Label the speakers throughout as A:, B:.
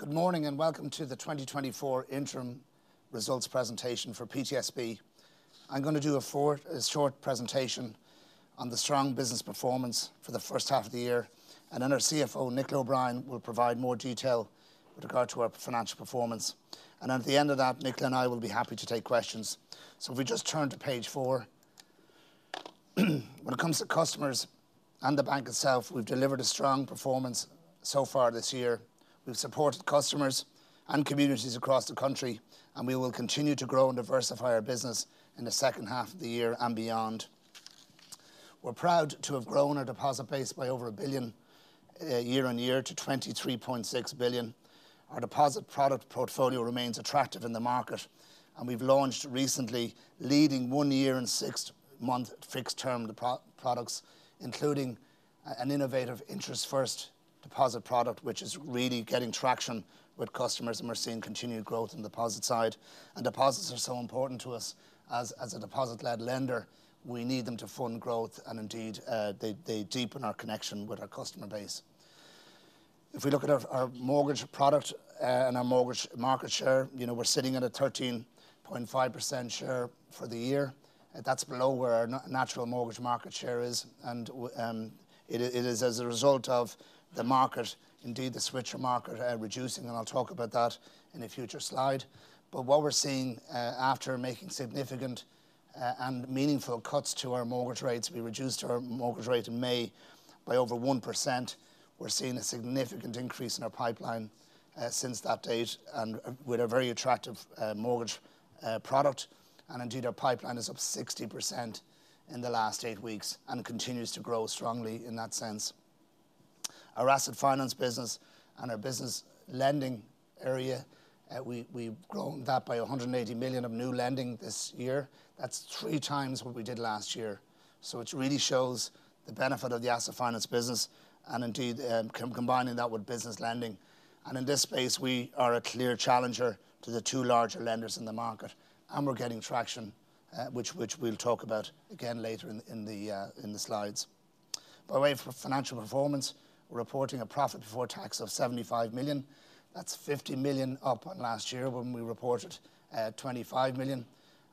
A: Good morning and welcome to the 2024 Interim Results Presentation for PTSB. I'm going to do a short presentation on the strong business performance for the first half of the year, and then our CFO, Nicola O'Brien, will provide more detail with regard to our financial performance. At the end of that, Nicola and I will be happy to take questions. If we just turn to page 4. When it comes to customers and the bank itself, we've delivered a strong performance so far this year. We've supported customers and communities across the country, and we will continue to grow and diversify our business in the second half of the year and beyond. We're proud to have grown our deposit base by over 1 billion year-on-year to 23.6 billion. Our deposit product portfolio remains attractive in the market, and we've launched recently leading 1-year and 6-month fixed-term products, including an innovative Interest First deposit product, which is really getting traction with customers, and we're seeing continued growth on the deposit side. Deposits are so important to us as a deposit-led lender. We need them to fund growth, and indeed they deepen our connection with our customer base. If we look at our mortgage product and our mortgage market share, you know, we're sitting at a 13.5% share for the year. That's below where our natural mortgage market share is, and it is as a result of the market, indeed the switch market, reducing, and I'll talk about that in a future slide. What we're seeing after making significant and meaningful cuts to our mortgage rates, we reduced our mortgage rate in May by over 1%. We're seeing a significant increase in our pipeline since that date and with a very attractive mortgage product. And indeed our pipeline is up 60% in the last eight weeks and continues to grow strongly in that sense. Our asset finance business and our business lending area, we've grown that by 180 million of new lending this year. That's three times what we did last year. So it really shows the benefit of the asset finance business and indeed combining that with business lending. And in this space, we are a clear challenger to the two larger lenders in the market, and we're getting traction, which we'll talk about again later in the slides. By the way, for financial performance, we're reporting a profit before tax of 75 million. That's 50 million up on last year when we reported 25 million.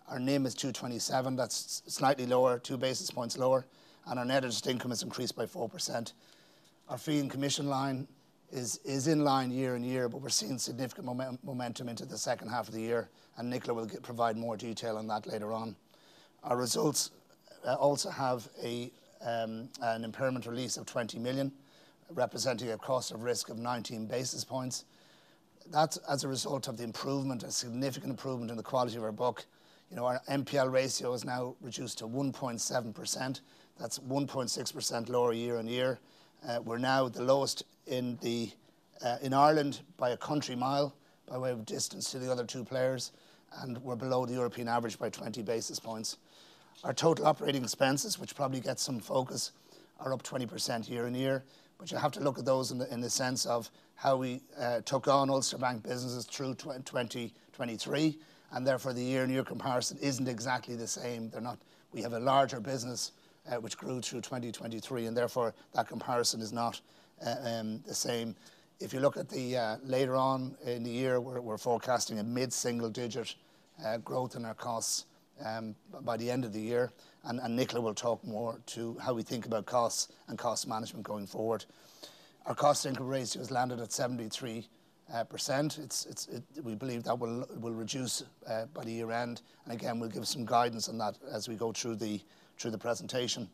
A: Our NIM is 227. That's slightly lower, two basis points lower, and our net interest income has increased by 4%. Our fee and commission line is in line year on year, but we're seeing significant momentum into the second half of the year, and Nicola will provide more detail on that later on. Our results also have an impairment release of 20 million, representing a cost of risk of 19 basis points. That's as a result of the improvement, a significant improvement in the quality of our book. You know, our NPL ratio is now reduced to 1.7%. That's 1.6% lower year on year. We're now the lowest in Ireland by a country mile, by way of distance to the other two players, and we're below the European average by 20 basis points. Our total operating expenses, which probably gets some focus, are up 20% year-on-year, but you'll have to look at those in the sense of how we took on Ulster Bank businesses through 2023, and therefore the year-on-year comparison isn't exactly the same. We have a larger business which grew through 2023, and therefore that comparison is not the same. If you look at the later on in the year, we're forecasting a mid-single digit growth in our costs by the end of the year, and Nicola will talk more to how we think about costs and cost management going forward. Our cost income ratio has landed at 73%. We believe that will reduce by the year end, and again, we'll give some guidance on that as we go through the presentation.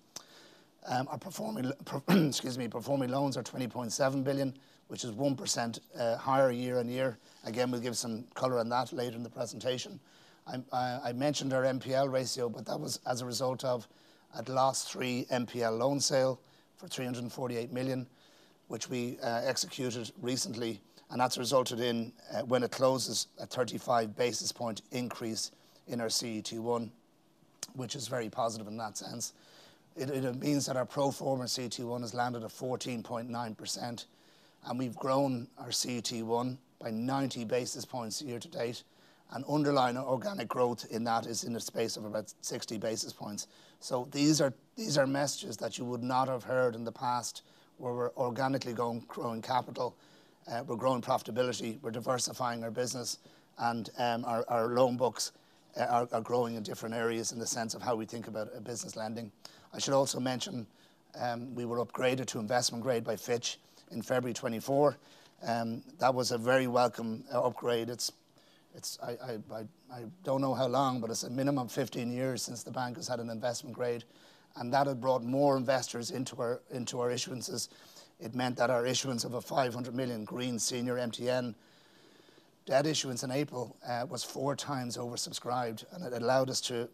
A: Our performing loans are 20.7 billion, which is 1% higher year-on-year. Again, we'll give some color on that later in the presentation. I mentioned our NPL ratio, but that was as a result of the last three NPL loan sales for 348 million, which we executed recently, and that's resulted in, when it closes, a 35 basis point increase in our CET1, which is very positive in that sense. It means that our pro forma CET1 has landed at 14.9%, and we've grown our CET1 by 90 basis points year to date, and underlying organic growth in that is in the space of about 60 basis points. So these are messages that you would not have heard in the past where we're organically growing capital, we're growing profitability, we're diversifying our business, and our loan books are growing in different areas in the sense of how we think about business lending. I should also mention we were upgraded to investment grade by Fitch in February 2024. That was a very welcome upgrade. I don't know how long, but it's a minimum of 15 years since the bank has had an investment grade, and that had brought more investors into our issuances. It meant that our issuance of a 500 million Green Senior MTN debt issuance in April was four times oversubscribed, and it allowed us to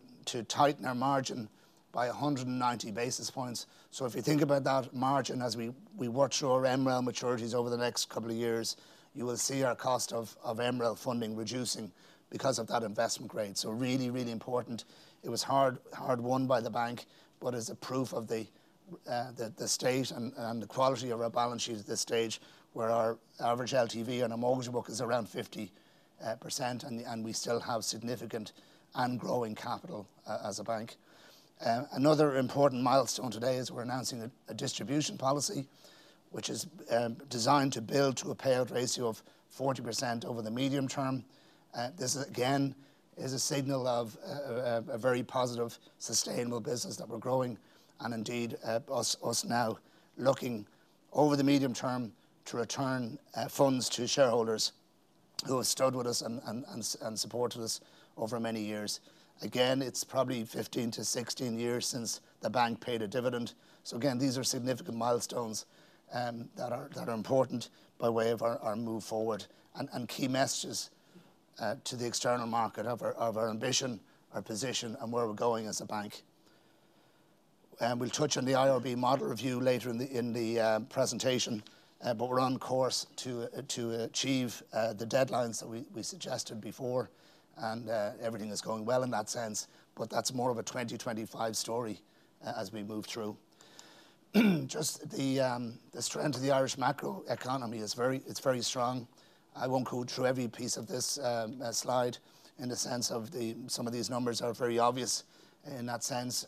A: tighten our margin by 190 basis points. So if you think about that margin as we watch our MREL maturities over the next couple of years, you will see our cost of MREL funding reducing because of that investment grade. So really, really important. It was hard won by the bank, but it's a proof of the state and the quality of our balance sheet at this stage where our average LTV on a mortgage book is around 50%, and we still have significant and growing capital as a bank. Another important milestone today is we're announcing a distribution policy, which is designed to build to a payout ratio of 40% over the medium term. This again is a signal of a very positive, sustainable business that we're growing, and indeed us now looking over the medium term to return funds to shareholders who have stood with us and supported us over many years. Again, it's probably 15-16 years since the bank paid a dividend. So again, these are significant milestones that are important by way of our move forward and key messages to the external market of our ambition, our position, and where we're going as a bank. We'll touch on the IRB model review later in the presentation, but we're on course to achieve the deadlines that we suggested before, and everything is going well in that sense, but that's more of a 2025 story as we move through. Just the strength of the Irish macroeconomy is very strong. I won't go through every piece of this slide in the sense of some of these numbers are very obvious in that sense.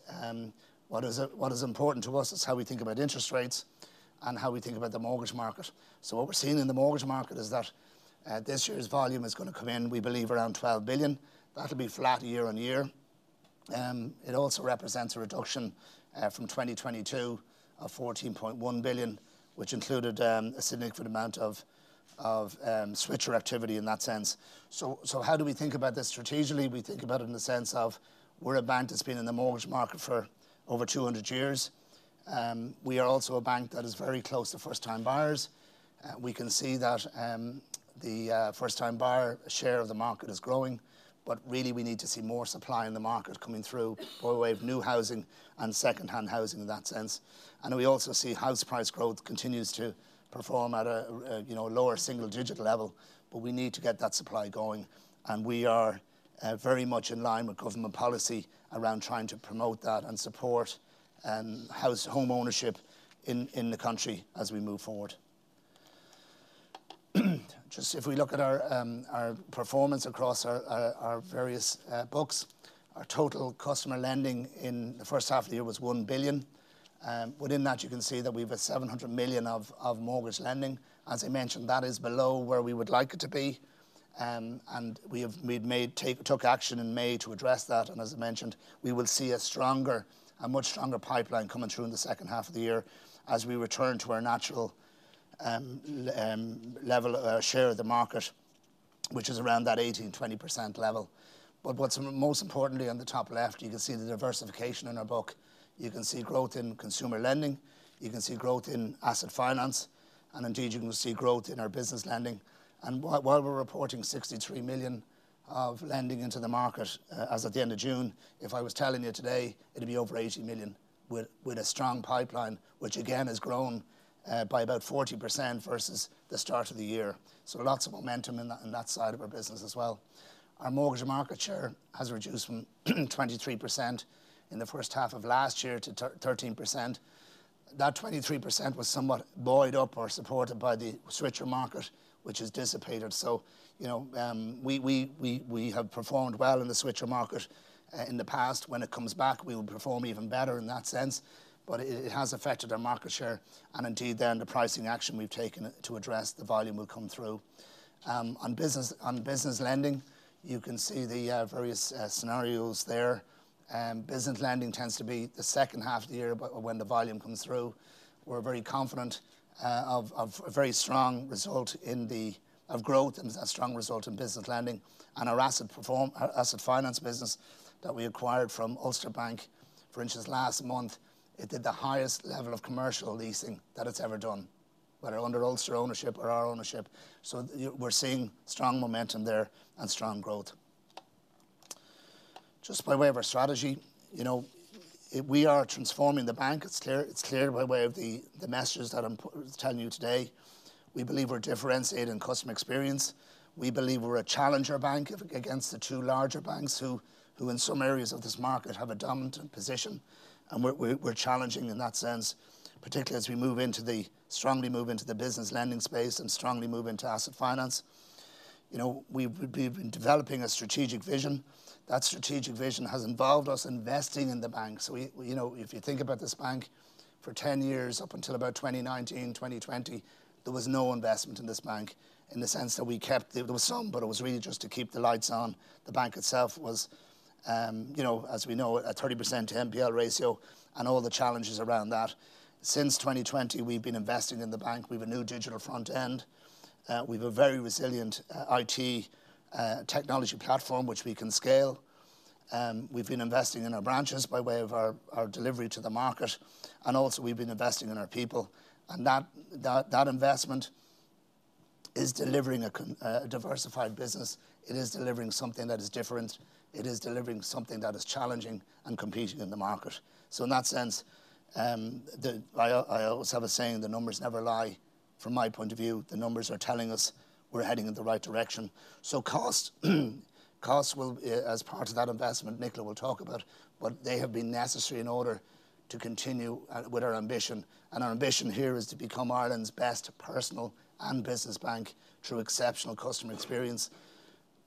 A: What is important to us is how we think about interest rates and how we think about the mortgage market. So what we're seeing in the mortgage market is that this year's volume is going to come in, we believe, around 12 billion. That'll be flat year-over-year. It also represents a reduction from 2022 of 14.1 billion, which included a significant amount of switcher activity in that sense. So how do we think about this strategically? We think about it in the sense of we're a bank that's been in the mortgage market for over 200 years. We are also a bank that is very close to first-time buyers. We can see that the first-time buyer share of the market is growing, but really we need to see more supply in the market coming through by way of new housing and second-hand housing in that sense. We also see house price growth continues to perform at a lower single-digit level, but we need to get that supply going, and we are very much in line with government policy around trying to promote that and support home ownership in the country as we move forward. Just if we look at our performance across our various books, our total customer lending in the first half of the year was 1 billion. Within that, you can see that we have 700 million of mortgage lending. As I mentioned, that is below where we would like it to be, and we took action in May to address that, and as I mentioned, we will see a stronger, a much stronger pipeline coming through in the second half of the year as we return to our natural level of our share of the market, which is around that 18%-20% level. But what's most importantly on the top left, you can see the diversification in our book. You can see growth in consumer lending. You can see growth in asset finance, and indeed you can see growth in our business lending. And while we're reporting 63 million of lending into the market as at the end of June, if I was telling you today, it'd be over 80 million with a strong pipeline, which again has grown by about 40% versus the start of the year. So lots of momentum in that side of our business as well. Our mortgage market share has reduced from 23% in the first half of last year to 13%. That 23% was somewhat buoyed up or supported by the switcher market, which has dissipated. So, you know, we have performed well in the switcher market in the past. When it comes back, we will perform even better in that sense, but it has affected our market share, and indeed then the pricing action we've taken to address the volume will come through. On business lending, you can see the various scenarios there. Business lending tends to be the second half of the year when the volume comes through. We're very confident of a very strong result in the growth and a strong result in business lending, and our asset finance business that we acquired from Ulster Bank, for instance, last month, it did the highest level of commercial leasing that it's ever done, whether under Ulster ownership or our ownership. So we're seeing strong momentum there and strong growth. Just by way of our strategy, you know, we are transforming the bank. It's clear by way of the messages that I'm telling you today. We believe we're differentiated in customer experience. We believe we're a challenger bank against the two larger banks who in some areas of this market have a dominant position, and we're challenging in that sense, particularly as we move into the, strongly move into the business lending space and strongly move into asset finance. You know, we've been developing a strategic vision. That strategic vision has involved us investing in the bank. So, you know, if you think about this bank for 10 years up until about 2019, 2020, there was no investment in this bank in the sense that we kept, there was some, but it was really just to keep the lights on. The bank itself was, you know, as we know, a 30% NPL ratio and all the challenges around that. Since 2020, we've been investing in the bank. We have a new digital front end. We have a very resilient IT technology platform, which we can scale. We've been investing in our branches by way of our delivery to the market, and also we've been investing in our people, and that investment is delivering a diversified business. It is delivering something that is different. It is delivering something that is challenging and competing in the market. So in that sense, I always have a saying, the numbers never lie from my point of view. The numbers are telling us we're heading in the right direction. So cost, cost will, as part of that investment, Nicola will talk about, but they have been necessary in order to continue with our ambition, and our ambition here is to become Ireland's best personal and business bank through exceptional customer experience.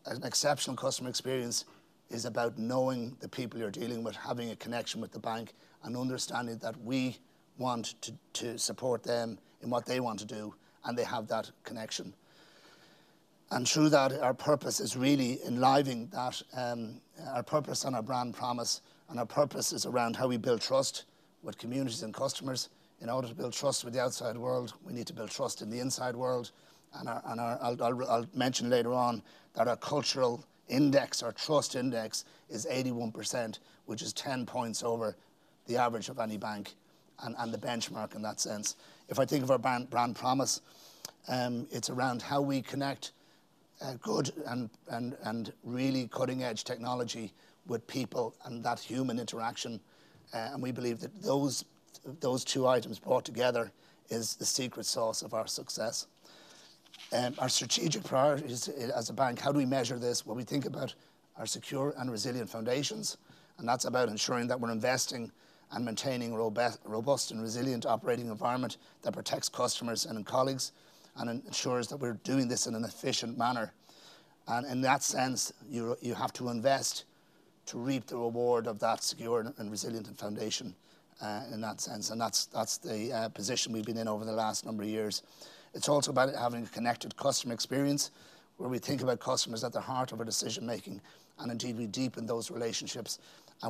A: An exceptional customer experience is about knowing the people you're dealing with, having a connection with the bank, and understanding that we want to support them in what they want to do, and they have that connection. And through that, our purpose is really enlivening that, our purpose and our brand promise, and our purpose is around how we build trust with communities and customers. In order to build trust with the outside world, we need to build trust in the inside world, and I'll mention later on that our cultural index, our trust index, is 81%, which is 10 points over the average of any bank and the benchmark in that sense. If I think of our brand promise, it's around how we connect good and really cutting-edge technology with people and that human interaction, and we believe that those two items brought together is the secret sauce of our success. Our strategic priorities as a bank, how do we measure this? Well, we think about our secure and resilient foundations, and that's about ensuring that we're investing and maintaining a robust and resilient operating environment that protects customers and colleagues and ensures that we're doing this in an efficient manner. In that sense, you have to invest to reap the reward of that secure and resilient foundation in that sense, and that's the position we've been in over the last number of years. It's also about having a connected customer experience where we think about customers at the heart of our decision-making, and indeed we deepen those relationships.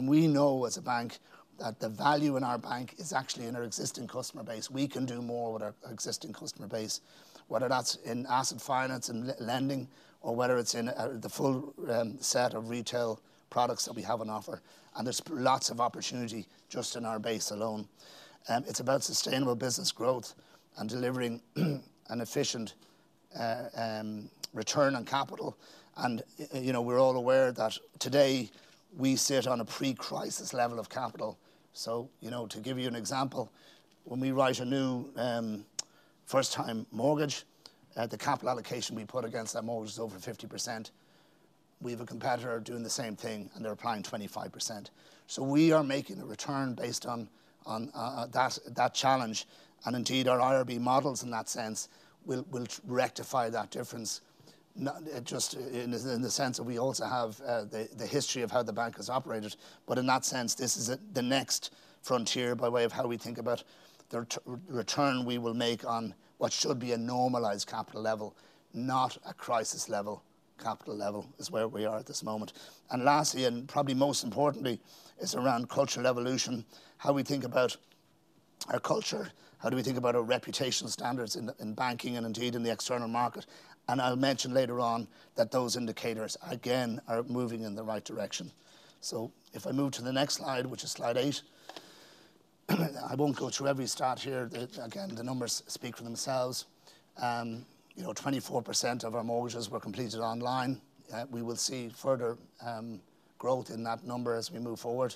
A: We know as a bank that the value in our bank is actually in our existing customer base. We can do more with our existing customer base, whether that's in asset finance and lending or whether it's in the full set of retail products that we have on offer, and there's lots of opportunity just in our base alone. It's about sustainable business growth and delivering an efficient return on capital, and you know, we're all aware that today we sit on a pre-crisis level of capital. So, you know, to give you an example, when we write a new first-time mortgage, the capital allocation we put against that mortgage is over 50%. We have a competitor doing the same thing, and they're applying 25%. So we are making a return based on that challenge, and indeed our IRB models in that sense will rectify that difference just in the sense that we also have the history of how the bank has operated, but in that sense, this is the next frontier by way of how we think about the return we will make on what should be a normalized capital level, not a crisis level capital level, is where we are at this moment. And lastly, and probably most importantly, it's around cultural evolution, how we think about our culture, how do we think about our reputational standards in banking and indeed in the external market, and I'll mention later on that those indicators again are moving in the right direction. So if I move to the next slide, which is slide 8, I won't go through every stat here. Again, the numbers speak for themselves. You know, 24% of our mortgages were completed online. We will see further growth in that number as we move forward.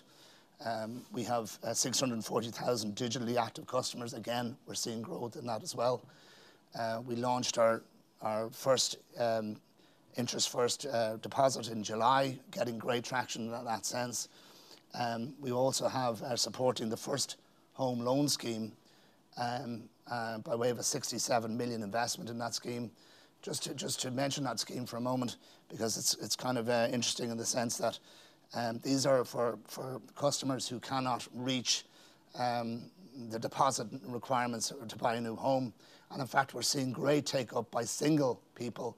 A: We have 640,000 digitally active customers. Again, we're seeing growth in that as well. We launched our first Interest First deposit in July, getting great traction in that sense. We also are supporting the First Home Scheme by way of a 67 million investment in that scheme. Just to mention that scheme for a moment, because it's kind of interesting in the sense that these are for customers who cannot reach the deposit requirements to buy a new home, and in fact, we're seeing great take-up by single people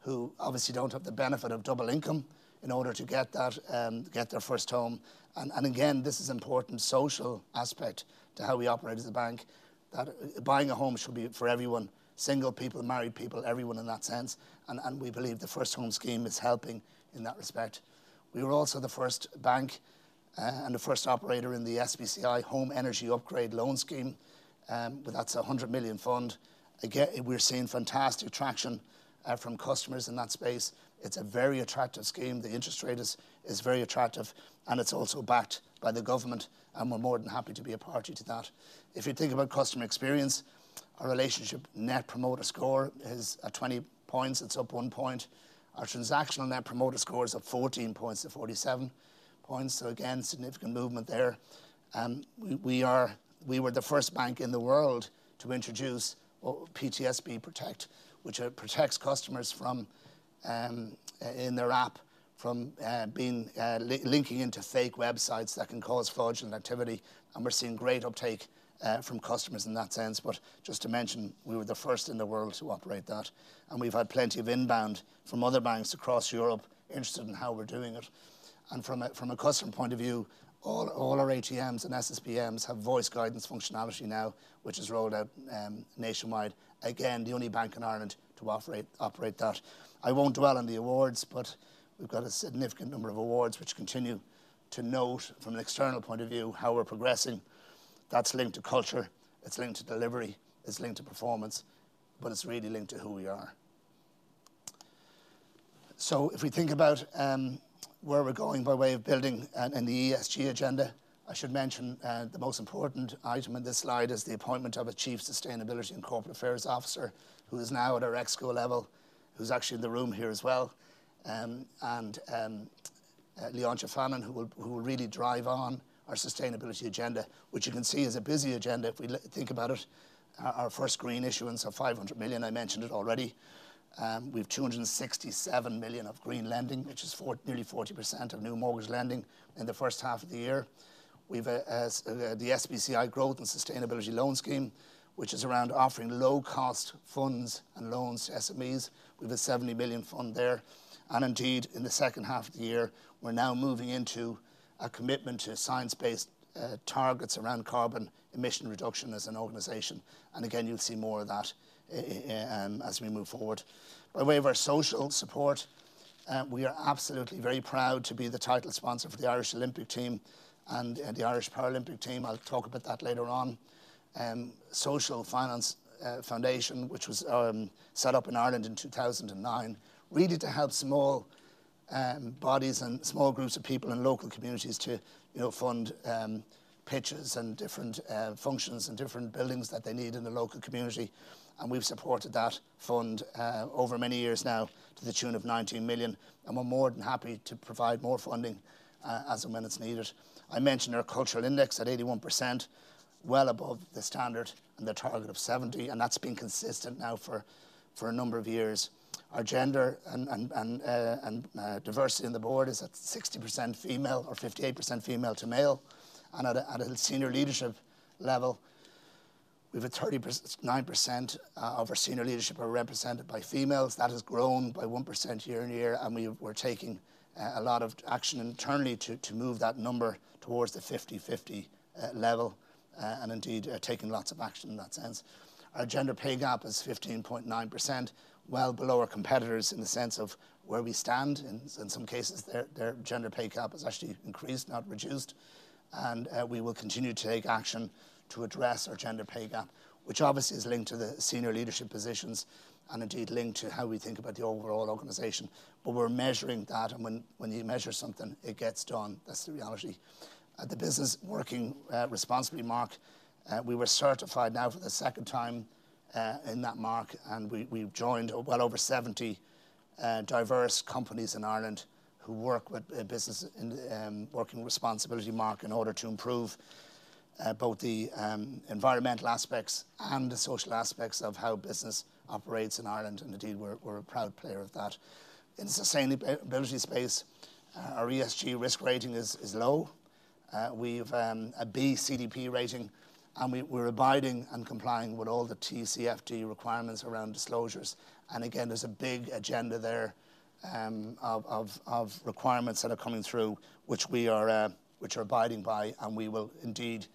A: who obviously don't have the benefit of double income in order to get their first home. Again, this is an important social aspect to how we operate as a bank, that buying a home should be for everyone, single people, married people, everyone in that sense, and we believe the First Home Scheme is helping in that respect. We were also the first bank and the first operator in the SBCI Home Energy Upgrade Loan Scheme, that's a 100 million fund. Again, we're seeing fantastic traction from customers in that space. It's a very attractive scheme. The interest rate is very attractive, and it's also backed by the government, and we're more than happy to be a party to that. If you think about customer experience, our relationship net promoter score is at 20 points. It's up 1 point. Our transactional net promoter score is up 14 points to 47 points. So again, significant movement there. We were the first bank in the world to introduce PTSB Protect, which protects customers in their app from linking into fake websites that can cause fraudulent activity, and we're seeing great uptake from customers in that sense. But just to mention, we were the first in the world to operate that, and we've had plenty of inbound from other banks across Europe interested in how we're doing it. From a customer point of view, all our ATMs and SSBMs have voice guidance functionality now, which is rolled out nationwide. Again, the only bank in Ireland to operate that. I won't dwell on the awards, but we've got a significant number of awards which continue to note from an external point of view how we're progressing. That's linked to culture. It's linked to delivery. It's linked to performance, but it's really linked to who we are. So if we think about where we're going by way of building in the ESG agenda, I should mention the most important item in this slide is the appointment of a Chief Sustainability and Corporate Affairs Officer who is now at our ExCo level, who's actually in the room here as well, and Leontia Fannin, who will really drive on our sustainability agenda, which you can see is a busy agenda if we think about it. Our first green issuance of 500 million, I mentioned it already. We've 267 million of green lending, which is nearly 40% of new mortgage lending in the first half of the year. We've the SBCI Growth and Sustainability Loan Scheme, which is around offering low-cost funds and loans to SMEs. We've a 70 million fund there, and indeed in the second half of the year, we're now moving into a commitment to science-based targets around carbon emission reduction as an organization, and again, you'll see more of that as we move forward. By way of our social support, we are absolutely very proud to be the title sponsor for the Irish Olympic Team and the Irish Paralympic Team. I'll talk about that later on. Social Finance Foundation, which was set up in Ireland in 2009, really to help small bodies and small groups of people in local communities to, you know, fund pitches and different functions and different buildings that they need in the local community, and we've supported that fund over many years now to the tune of 19 million, and we're more than happy to provide more funding as and when it's needed. I mentioned our cultural index at 81%, well above the standard and the target of 70, and that's been consistent now for a number of years. Our gender and diversity in the board is at 60% female or 58% female to male, and at a senior leadership level, we have a 39% of our senior leadership are represented by females. That has grown by 1% year in year, and we're taking a lot of action internally to move that number towards the 50/50 level and indeed taking lots of action in that sense. Our gender pay gap is 15.9%, well below our competitors in the sense of where we stand. In some cases, their gender pay gap has actually increased, not reduced, and we will continue to take action to address our gender pay gap, which obviously is linked to the senior leadership positions and indeed linked to how we think about the overall organization, but we're measuring that, and when you measure something, it gets done. That's the reality. At the Business Working Responsibly Mark, we were certified now for the second time in that Mark, and we've joined well over 70 diverse companies in Ireland who work with Business Working Responsibly Mark in order to improve both the environmental aspects and the social aspects of how business operates in Ireland, and indeed we're a proud player of that. In the sustainability space, our ESG risk rating is low. We have a B CDP rating, and we're abiding and complying with all the TCFD requirements around disclosures, and again, there's a big agenda there of requirements that are coming through, which we are abiding by, and we will indeed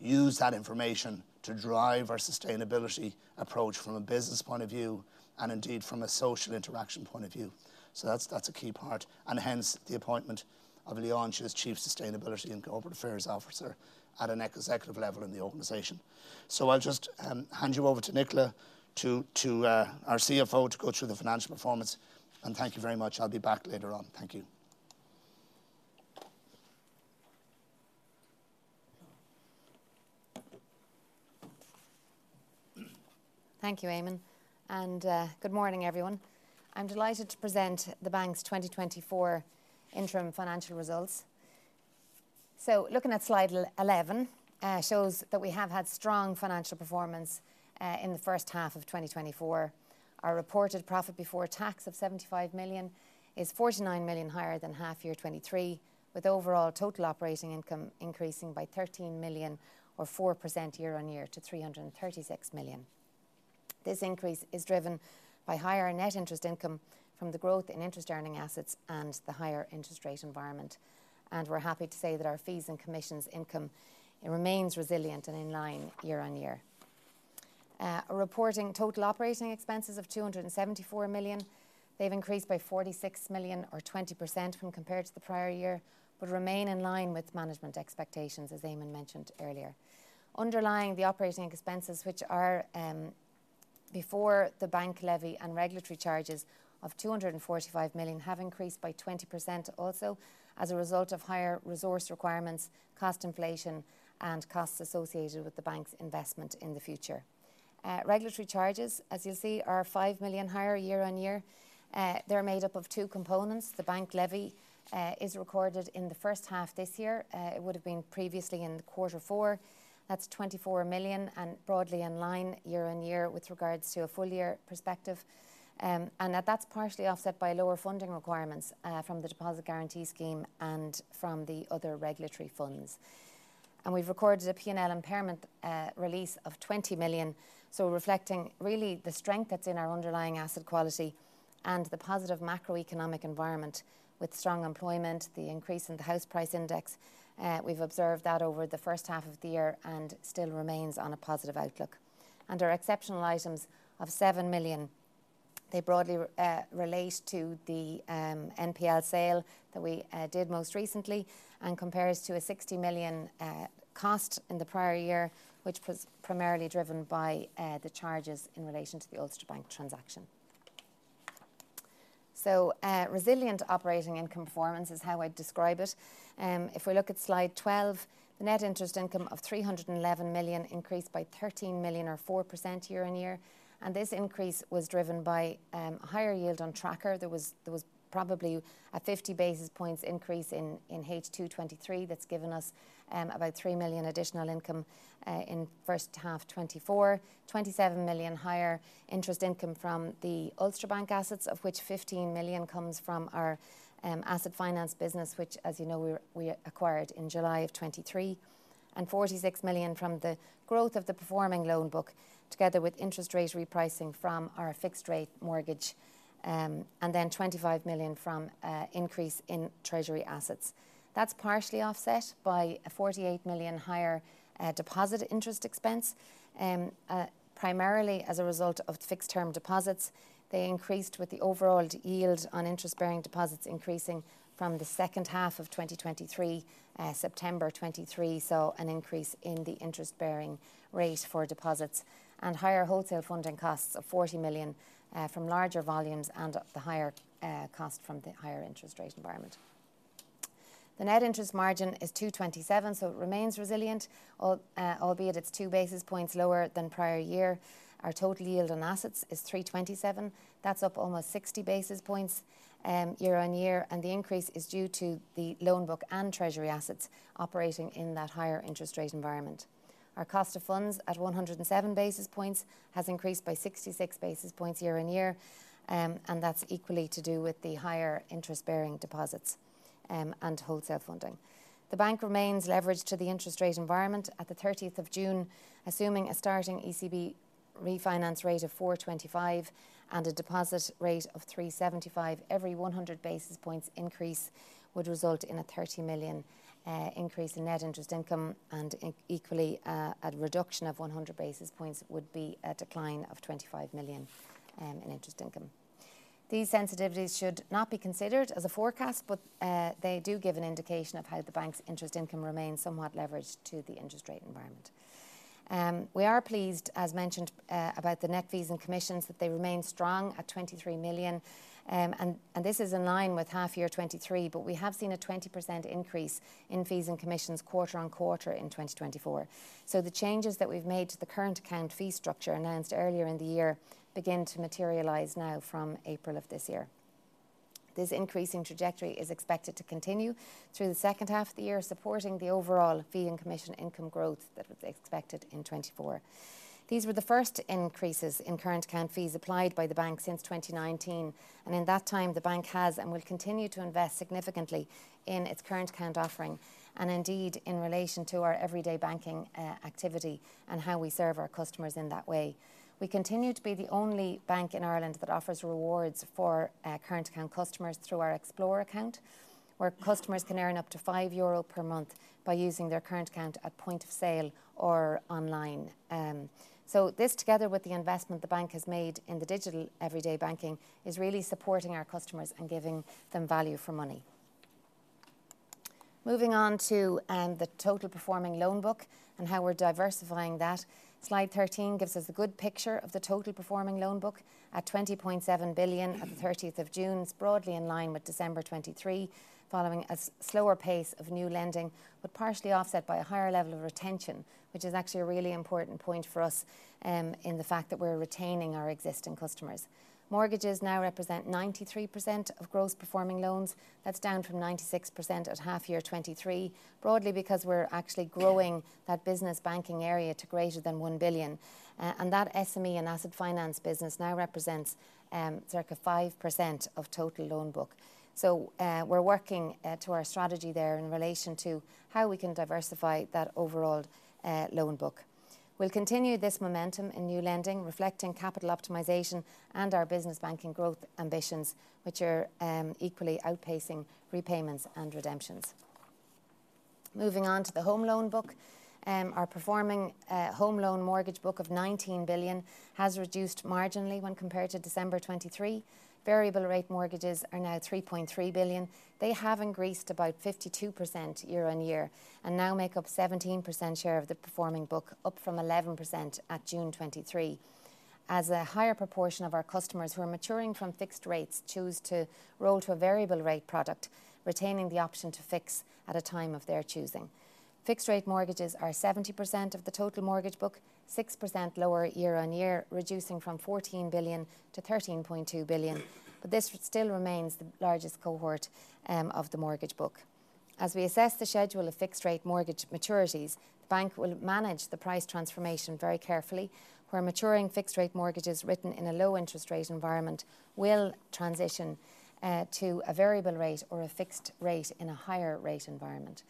A: use that information to drive our sustainability approach from a business point of view and indeed from a social interaction point of view. So that's a key part, and hence the appointment of Leontia as Chief Sustainability and Corporate Affairs Officer at an executive level in the organization. So I'll just hand you over to Nicola, our CFO, to go through the financial performance, and thank you very much. I'll be back later on. Thank you.
B: Thank you, Eamonn, and good morning, everyone. I'm delighted to present the bank's 2024 interim financial results. Looking at slide 11 shows that we have had strong financial performance in the first half of 2024. Our reported profit before tax of 75 million is 49 million higher than half year 2023, with overall total operating income increasing by 13 million or 4% year-on-year to 336 million. This increase is driven by higher net interest income from the growth in interest earning assets and the higher interest rate environment, and we're happy to say that our fees and commissions income remains resilient and in line year-on-year. Reporting total operating expenses of 274 million, they've increased by 46 million or 20% when compared to the prior year, but remain in line with management expectations, as Eamonn mentioned earlier. Underlying the operating expenses, which are before the bank levy and regulatory charges of 245 million, have increased by 20% also as a result of higher resource requirements, cost inflation, and costs associated with the bank's investment in the future. Regulatory charges, as you'll see, are 5 million higher year-on-year. They're made up of two components. The bank levy is recorded in the first half this year. It would have been previously in quarter four. That's 24 million and broadly in line year-on-year with regards to a full year perspective, and that's partially offset by lower funding requirements from the Deposit Guarantee Scheme and from the other regulatory funds. We've recorded a P&L impairment release of 20 million, so reflecting really the strength that's in our underlying asset quality and the positive macroeconomic environment with strong employment, the increase in the house price index. We've observed that over the first half of the year and still remains on a positive outlook. Our exceptional items of 7 million, they broadly relate to the NPL sale that we did most recently and compares to a 60 million cost in the prior year, which was primarily driven by the charges in relation to the Ulster Bank transaction. So resilient operating income performance is how I'd describe it. If we look at slide 12, the net interest income of 311 million increased by 13 million or 4% year-on-year, and this increase was driven by a higher yield on tracker. There was probably a 50 basis points increase in H2 2023 that's given us about 3 million additional income in first half 2024, 27 million higher interest income from the Ulster Bank assets, of which 15 million comes from our asset finance business, which, as you know, we acquired in July of 2023, and 46 million from the growth of the performing loan book together with interest rate repricing from our fixed rate mortgage, and then 25 million from increase in treasury assets. That's partially offset by a 48 million higher deposit interest expense, primarily as a result of fixed term deposits. They increased with the overall yield on interest-bearing deposits increasing from the second half of 2023, September 23, so an increase in the interest-bearing rate for deposits and higher wholesale funding costs of 40 million from larger volumes and the higher cost from the higher interest rate environment. The net interest margin is 227, so it remains resilient, albeit it's 2 basis points lower than prior year. Our total yield on assets is 327. That's up almost 60 basis points year-on-year, and the increase is due to the loan book and treasury assets operating in that higher interest rate environment. Our cost of funds at 107 basis points has increased by 66 basis points year-on-year, and that's equally to do with the higher interest-bearing deposits and wholesale funding. The bank remains leveraged to the interest rate environment at the 30th of June, assuming a starting ECB refinance rate of 425 and a deposit rate of 375. Every 100 basis points increase would result in a 30 million increase in net interest income, and equally a reduction of 100 basis points would be a decline of 25 million in interest income. These sensitivities should not be considered as a forecast, but they do give an indication of how the bank's interest income remains somewhat leveraged to the interest rate environment. We are pleased, as mentioned, about the net fees and commissions that they remain strong at 23 million, and this is in line with half year 2023, but we have seen a 20% increase in fees and commissions quarter-on-quarter in 2024. The changes that we've made to the current account fee structure announced earlier in the year begin to materialize now from April of this year. This increasing trajectory is expected to continue through the second half of the year, supporting the overall fee and commission income growth that was expected in 2024. These were the first increases in current account fees applied by the bank since 2019, and in that time, the bank has and will continue to invest significantly in its current account offering and indeed in relation to our everyday banking activity and how we serve our customers in that way. We continue to be the only bank in Ireland that offers rewards for current account customers through our Explore Account, where customers can earn up to 5 euro per month by using their current account at point of sale or online. So this, together with the investment the bank has made in the digital everyday banking, is really supporting our customers and giving them value for money. Moving on to the total performing loan book and how we're diversifying that, slide 13 gives us a good picture of the total performing loan book at 20.7 billion at the 30th of June, broadly in line with December 2023, following a slower pace of new lending, but partially offset by a higher level of retention, which is actually a really important point for us in the fact that we're retaining our existing customers. Mortgages now represent 93% of gross performing loans. That's down from 96% at half year 2023, broadly because we're actually growing that business banking area to greater than 1 billion, and that SME and asset finance business now represents circa 5% of total loan book. So we're working to our strategy there in relation to how we can diversify that overall loan book. We'll continue this momentum in new lending, reflecting capital optimization and our business banking growth ambitions, which are equally outpacing repayments and redemptions. Moving on to the home loan book, our performing home loan mortgage book of 19 billion has reduced marginally when compared to December 2023. Variable rate mortgages are now 3.3 billion. They have increased about 52% year-on-year and now make up 17% share of the performing book, up from 11% at June 2023. As a higher proportion of our customers who are maturing from fixed rates choose to roll to a variable rate product, retaining the option to fix at a time of their choosing. Fixed rate mortgages are 70% of the total mortgage book, 6% lower year on year, reducing from 14 billion to 13.2 billion, but this still remains the largest cohort of the mortgage book. As we assess the schedule of fixed rate mortgage maturities, the bank will manage the price transformation very carefully, where maturing fixed rate mortgages written in a low interest rate environment will transition to a variable rate or a fixed rate in a higher rate environment.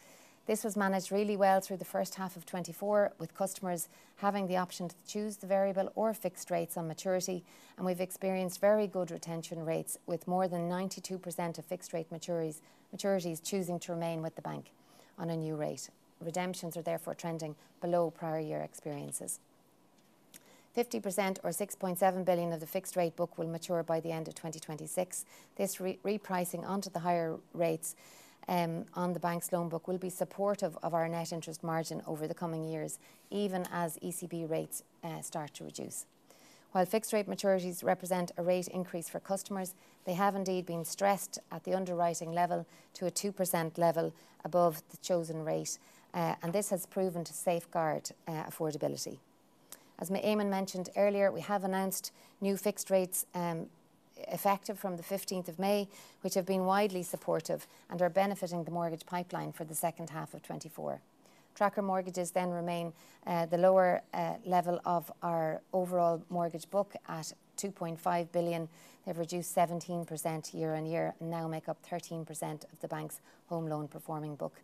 B: This was managed really well through the first half of 2024, with customers having the option to choose the variable or fixed rates on maturity, and we've experienced very good retention rates with more than 92% of fixed rate maturities choosing to remain with the bank on a new rate. Redemptions are therefore trending below prior year experiences. 50% or 6.7 billion of the fixed rate book will mature by the end of 2026. This repricing onto the higher rates on the bank's loan book will be supportive of our net interest margin over the coming years, even as ECB rates start to reduce. While fixed rate maturities represent a rate increase for customers, they have indeed been stressed at the underwriting level to a 2% level above the chosen rate, and this has proven to safeguard affordability. As Eamonn mentioned earlier, we have announced new fixed rates effective from the 15th of May, which have been widely supportive and are benefiting the mortgage pipeline for the second half of 2024. Tracker mortgages then remain the lower level of our overall mortgage book at 2.5 billion. They've reduced 17% year-on-year and now make up 13% of the bank's home loan performing book.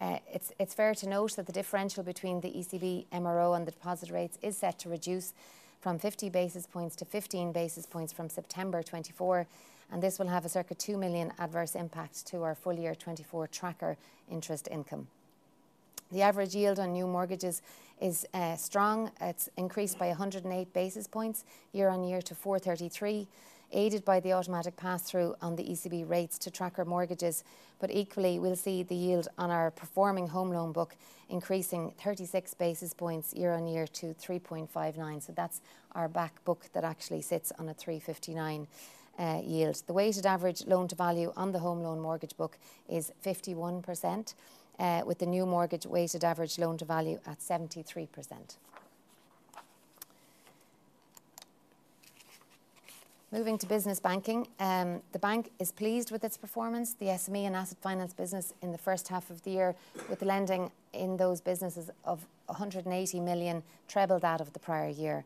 B: It's fair to note that the differential between the ECB, MRO, and the deposit rates is set to reduce from 50 basis points to 15 basis points from September 2024, and this will have a circa 2 million adverse impact to our full year 2024 tracker interest income. The average yield on new mortgages is strong. It's increased by 108 basis points year-on-year to 4.33, aided by the automatic pass-through on the ECB rates to tracker mortgages, but equally we'll see the yield on our performing home loan book increasing 36 basis points year-on-year to 3.59. So that's our back book that actually sits on a 3.59 yield. The weighted average loan to value on the home loan mortgage book is 51%, with the new mortgage weighted average loan to value at 73%. Moving to business banking, the bank is pleased with its performance. The SME and asset finance business in the first half of the year, with the lending in those businesses of 180 million, trebled out of the prior year,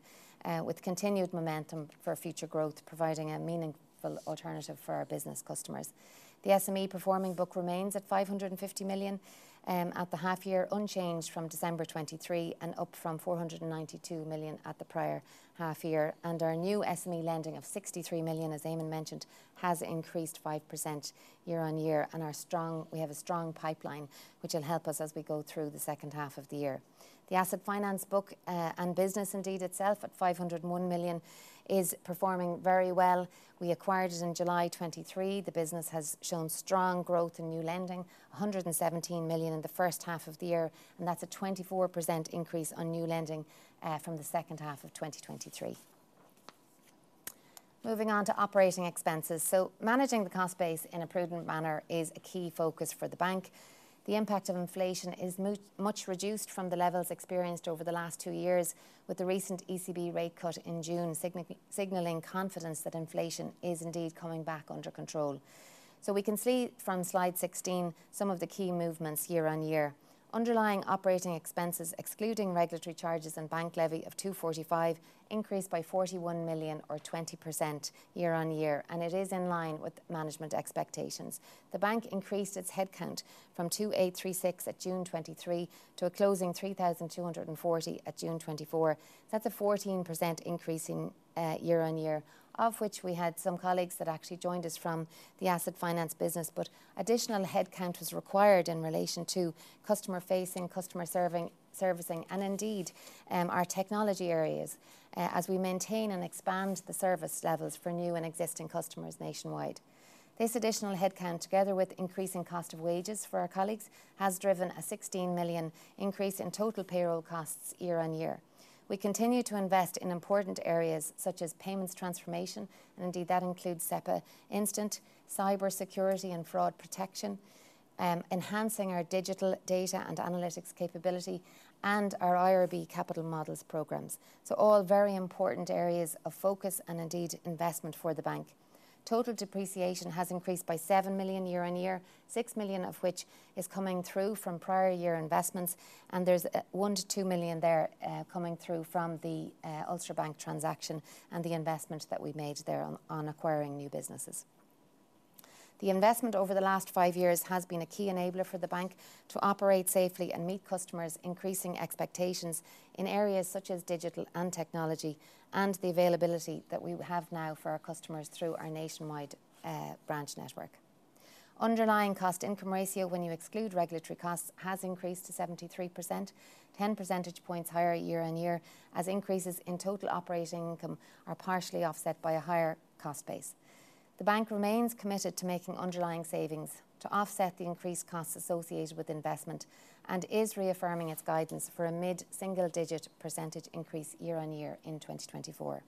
B: with continued momentum for future growth, providing a meaningful alternative for our business customers. The SME performing book remains at 550 million at the half year, unchanged from December 2023 and up from 492 million at the prior half year, and our new SME lending of 63 million, as Eamonn mentioned, has increased 5% year-on-year and we have a strong pipeline which will help us as we go through the second half of the year. The asset finance book and business indeed itself at 501 million is performing very well. We acquired it in July 2023. The business has shown strong growth in new lending, 117 million in the first half of the year, and that's a 24% increase on new lending from the second half of 2023. Moving on to operating expenses. So managing the cost base in a prudent manner is a key focus for the bank. The impact of inflation is much reduced from the levels experienced over the last two years, with the recent ECB rate cut in June signaling confidence that inflation is indeed coming back under control. So we can see from slide 16 some of the key movements year-on-year. Underlying operating expenses, excluding regulatory charges and bank levy of 245 million, increased by 41 million or 20% year-on-year, and it is in line with management expectations. The bank increased its headcount from 2,836 at June 2023 to a closing 3,240 at June 2024. That's a 14% increase year-on-year, of which we had some colleagues that actually joined us from the asset finance business, but additional headcount was required in relation to customer facing, customer servicing, and indeed our technology areas as we maintain and expand the service levels for new and existing customers nationwide. This additional headcount, together with increasing cost of wages for our colleagues, has driven a 16 million increase in total payroll costs year-on-year. We continue to invest in important areas such as payments transformation, and indeed that includes SEPA Instant cybersecurity and fraud protection, enhancing our digital data and analytics capability, and our IRB capital models programs. So all very important areas of focus and indeed investment for the bank. Total depreciation has increased by 7 million year-on-year, 6 million of which is coming through from prior year investments, and there's 1 million-2 million there coming through from the Ulster Bank transaction and the investment that we've made there on acquiring new businesses. The investment over the last five years has been a key enabler for the bank to operate safely and meet customers, increasing expectations in areas such as digital and technology and the availability that we have now for our customers through our nationwide branch network. Underlying cost income ratio, when you exclude regulatory costs, has increased to 73%, 10 percentage points higher year-on-year, as increases in total operating income are partially offset by a higher cost base. The bank remains committed to making underlying savings to offset the increased costs associated with investment and is reaffirming its guidance for a mid-single digit percentage increase year-over-year in 2024.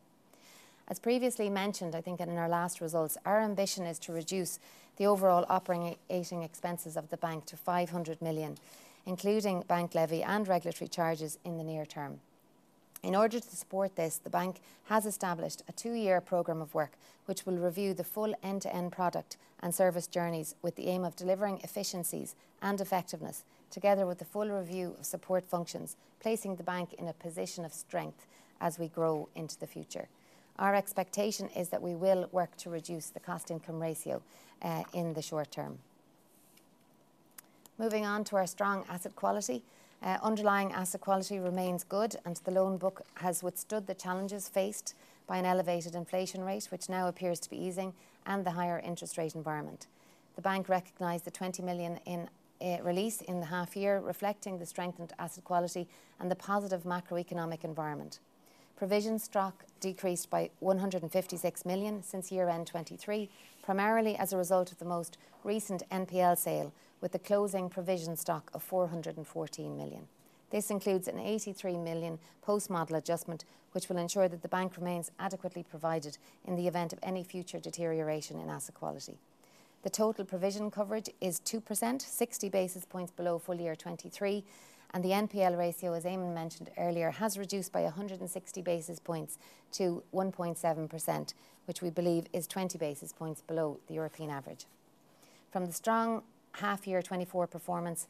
B: As previously mentioned, I think in our last results, our ambition is to reduce the overall operating expenses of the bank to 500 million, including bank levy and regulatory charges in the near term. In order to support this, the bank has established a two-year program of work, which will review the full end-to-end product and service journeys with the aim of delivering efficiencies and effectiveness, together with the full review of support functions, placing the bank in a position of strength as we grow into the future. Our expectation is that we will work to reduce the cost income ratio in the short term. Moving on to our strong asset quality. Underlying asset quality remains good, and the loan book has withstood the challenges faced by an elevated inflation rate, which now appears to be easing, and the higher interest rate environment. The bank recognized 20 million in release in the half year, reflecting the strengthened asset quality and the positive macroeconomic environment. Provision stock decreased by 156 million since year-end 2023, primarily as a result of the most recent NPL sale, with the closing provision stock of 414 million. This includes an 83 million post-model adjustment, which will ensure that the bank remains adequately provided in the event of any future deterioration in asset quality. The total provision coverage is 2%, 60 basis points below full year 2023, and the NPL ratio, as Eamonn mentioned earlier, has reduced by 160 basis points to 1.7%, which we believe is 20 basis points below the European average. From the strong half year 2024 performance,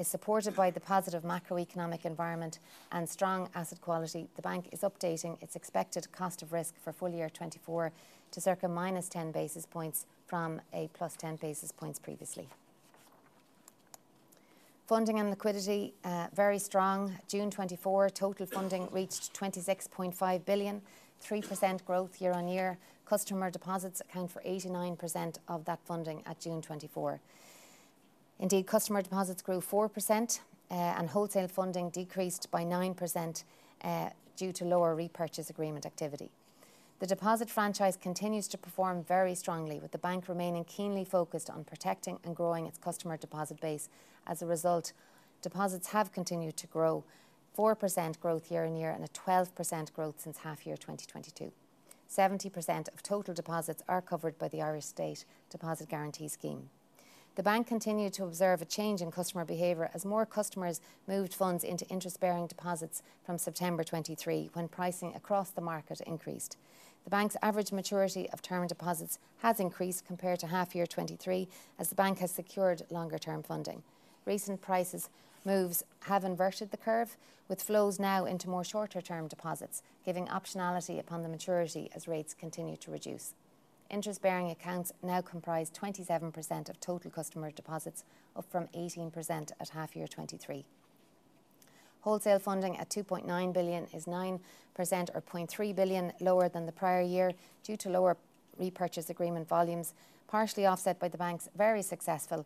B: supported by the positive macroeconomic environment and strong asset quality, the bank is updating its expected cost of risk for full year 2024 to circa minus 10 basis points from a plus 10 basis points previously. Funding and liquidity, very strong. June 2024, total funding reached 26.5 billion, 3% growth year-on-year. Customer deposits account for 89% of that funding at June 2024. Indeed, customer deposits grew 4%, and wholesale funding decreased by 9% due to lower repurchase agreement activity. The deposit franchise continues to perform very strongly, with the bank remaining keenly focused on protecting and growing its customer deposit base. As a result, deposits have continued to grow, 4% growth year-on-year and a 12% growth since half year 2022. 70% of total deposits are covered by the Irish State Deposit Guarantee Scheme. The bank continued to observe a change in customer behavior as more customers moved funds into interest-bearing deposits from September 2023, when pricing across the market increased. The bank's average maturity of term deposits has increased compared to half year 2023, as the bank has secured longer term funding. Recent prices moves have inverted the curve, with flows now into more shorter term deposits, giving optionality upon the maturity as rates continue to reduce. Interest-bearing accounts now comprise 27% of total customer deposits, up from 18% at half year 2023. Wholesale funding at 2.9 billion is 9% or 0.3 billion lower than the prior year due to lower repurchase agreement volumes, partially offset by the bank's very successful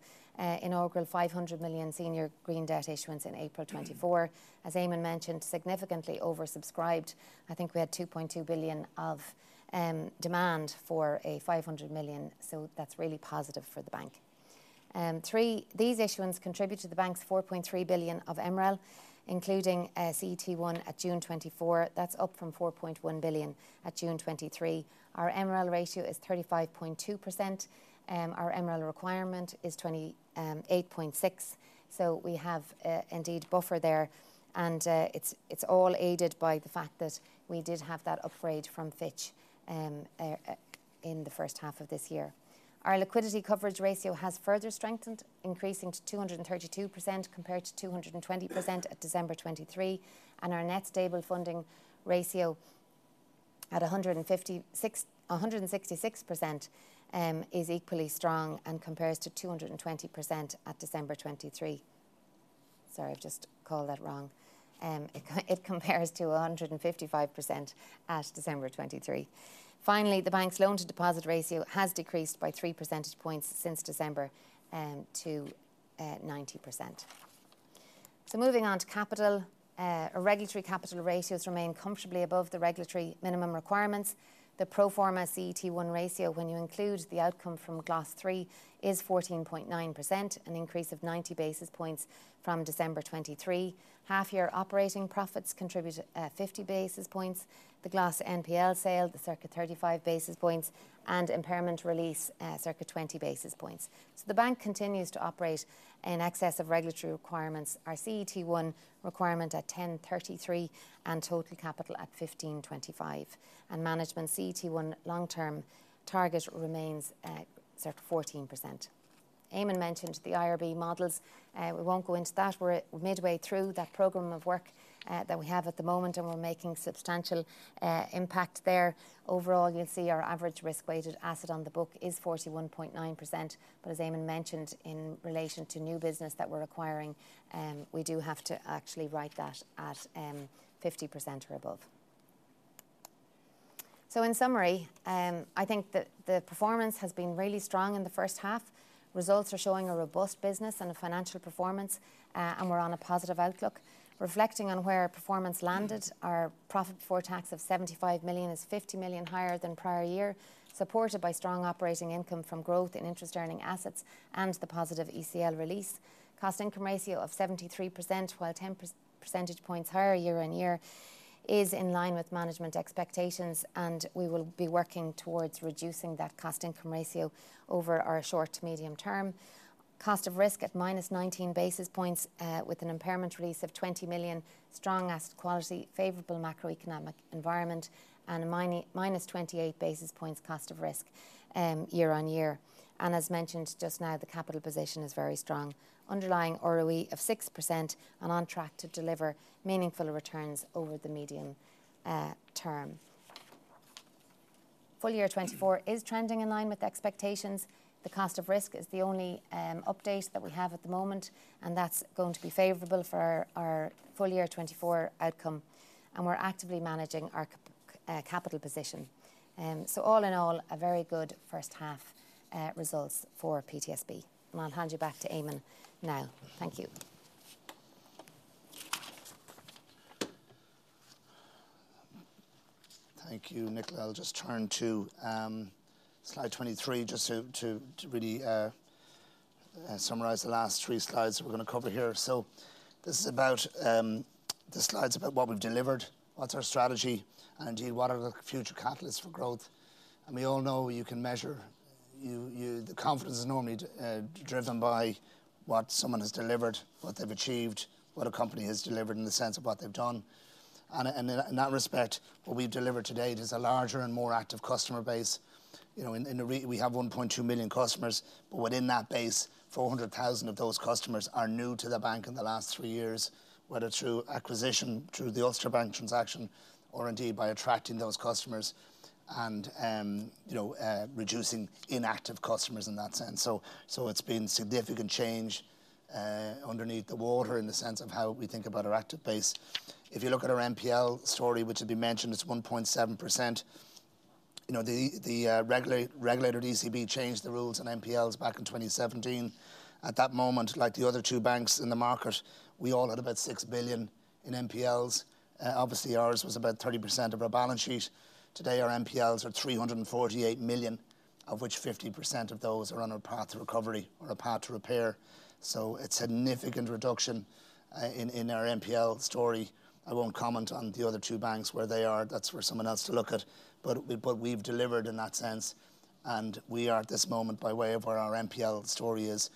B: inaugural 500 million senior green debt issuance in April 2024. As Eamonn mentioned, significantly oversubscribed. I think we had 2.2 billion of demand for a 500 million, so that's really positive for the bank. Three, these issuance contribute to the bank's 4.3 billion of MREL, including CET1 at June 2024. That's up from 4.1 billion at June 2023. Our MREL ratio is 35.2%. Our MREL requirement is 28.6. So we have indeed buffer there, and it's all aided by the fact that we did have that upgrade from Fitch in the first half of this year. Our liquidity coverage ratio has further strengthened, increasing to 232% compared to 220% at December 2023, and our net stable funding ratio at 166% is equally strong and compares to 220% at December 2023. Sorry, I've just called that wrong. It compares to 155% at December 2023. Finally, the bank's loan to deposit ratio has decreased by 3 percentage points since December to 90%. So moving on to capital, regulatory capital ratios remain comfortably above the regulatory minimum requirements. The pro forma CET1 ratio, when you include the outcome from Glas III, is 14.9%, an increase of 90 basis points from December 2023. Half year operating profits contribute 50 basis points. The Glas NPL sale, the circa 35 basis points, and impairment release, circa 20 basis points. So the bank continues to operate in excess of regulatory requirements, our CET1 requirement at 10.33 and total capital at 15.25. And management CET1 long-term target remains circa 14%. Eamonn mentioned the IRB models. We won't go into that. We're midway through that program of work that we have at the moment, and we're making substantial impact there. Overall, you'll see our average risk-weighted asset on the book is 41.9%, but as Eamonn mentioned, in relation to new business that we're acquiring, we do have to actually write that at 50% or above. So in summary, I think that the performance has been really strong in the first half. Results are showing a robust business and a financial performance, and we're on a positive outlook. Reflecting on where our performance landed, our profit before tax of 75 million is 50 million higher than prior year, supported by strong operating income from growth in interest-earning assets and the positive ECL release. Cost income ratio of 73%, while 10 percentage points higher year-on-year, is in line with management expectations, and we will be working towards reducing that cost income ratio over our short to medium term. Cost of risk at minus 19 basis points with an impairment release of 20 million, strong asset quality, favorable macroeconomic environment, and minus 28 basis points cost of risk year on year. As mentioned just now, the capital position is very strong. Underlying ROE of 6% and on track to deliver meaningful returns over the medium term. Full year 2024 is trending in line with expectations. The cost of risk is the only update that we have at the moment, and that's going to be favorable for our full year 2024 outcome, and we're actively managing our capital position. All in all, a very good first half results for PTSB. I'll hand you back to Eamonn now. Thank you.
A: Thank you, Nicola. I'll just turn to slide 23 just to really summarize the last three slides that we're going to cover here. So this is about the slides about what we've delivered, what's our strategy, and indeed what are the future catalysts for growth. And we all know you can measure the confidence is normally driven by what someone has delivered, what they've achieved, what a company has delivered in the sense of what they've done. And in that respect, what we've delivered to date is a larger and more active customer base. We have 1.2 million customers, but within that base, 400,000 of those customers are new to the bank in the last three years, whether through acquisition, through the Ulster Bank transaction, or indeed by attracting those customers and reducing inactive customers in that sense. So it's been a significant change underneath the water in the sense of how we think about our active base. If you look at our NPL story, which, to be mentioned, is 1.7%. The regulated ECB changed the rules on NPLs back in 2017. At that moment, like the other two banks in the market, we all had about 6 billion in NPLs. Obviously, ours was about 30% of our balance sheet. Today, our NPLs are 348 million, of which 50% of those are on a path to recovery or a path to repair. So it's a significant reduction in our NPL story. I won't comment on the other two banks, where they are. That's for someone else to look at. But we've delivered in that sense, and we are at this moment, by way of where our NPL story is,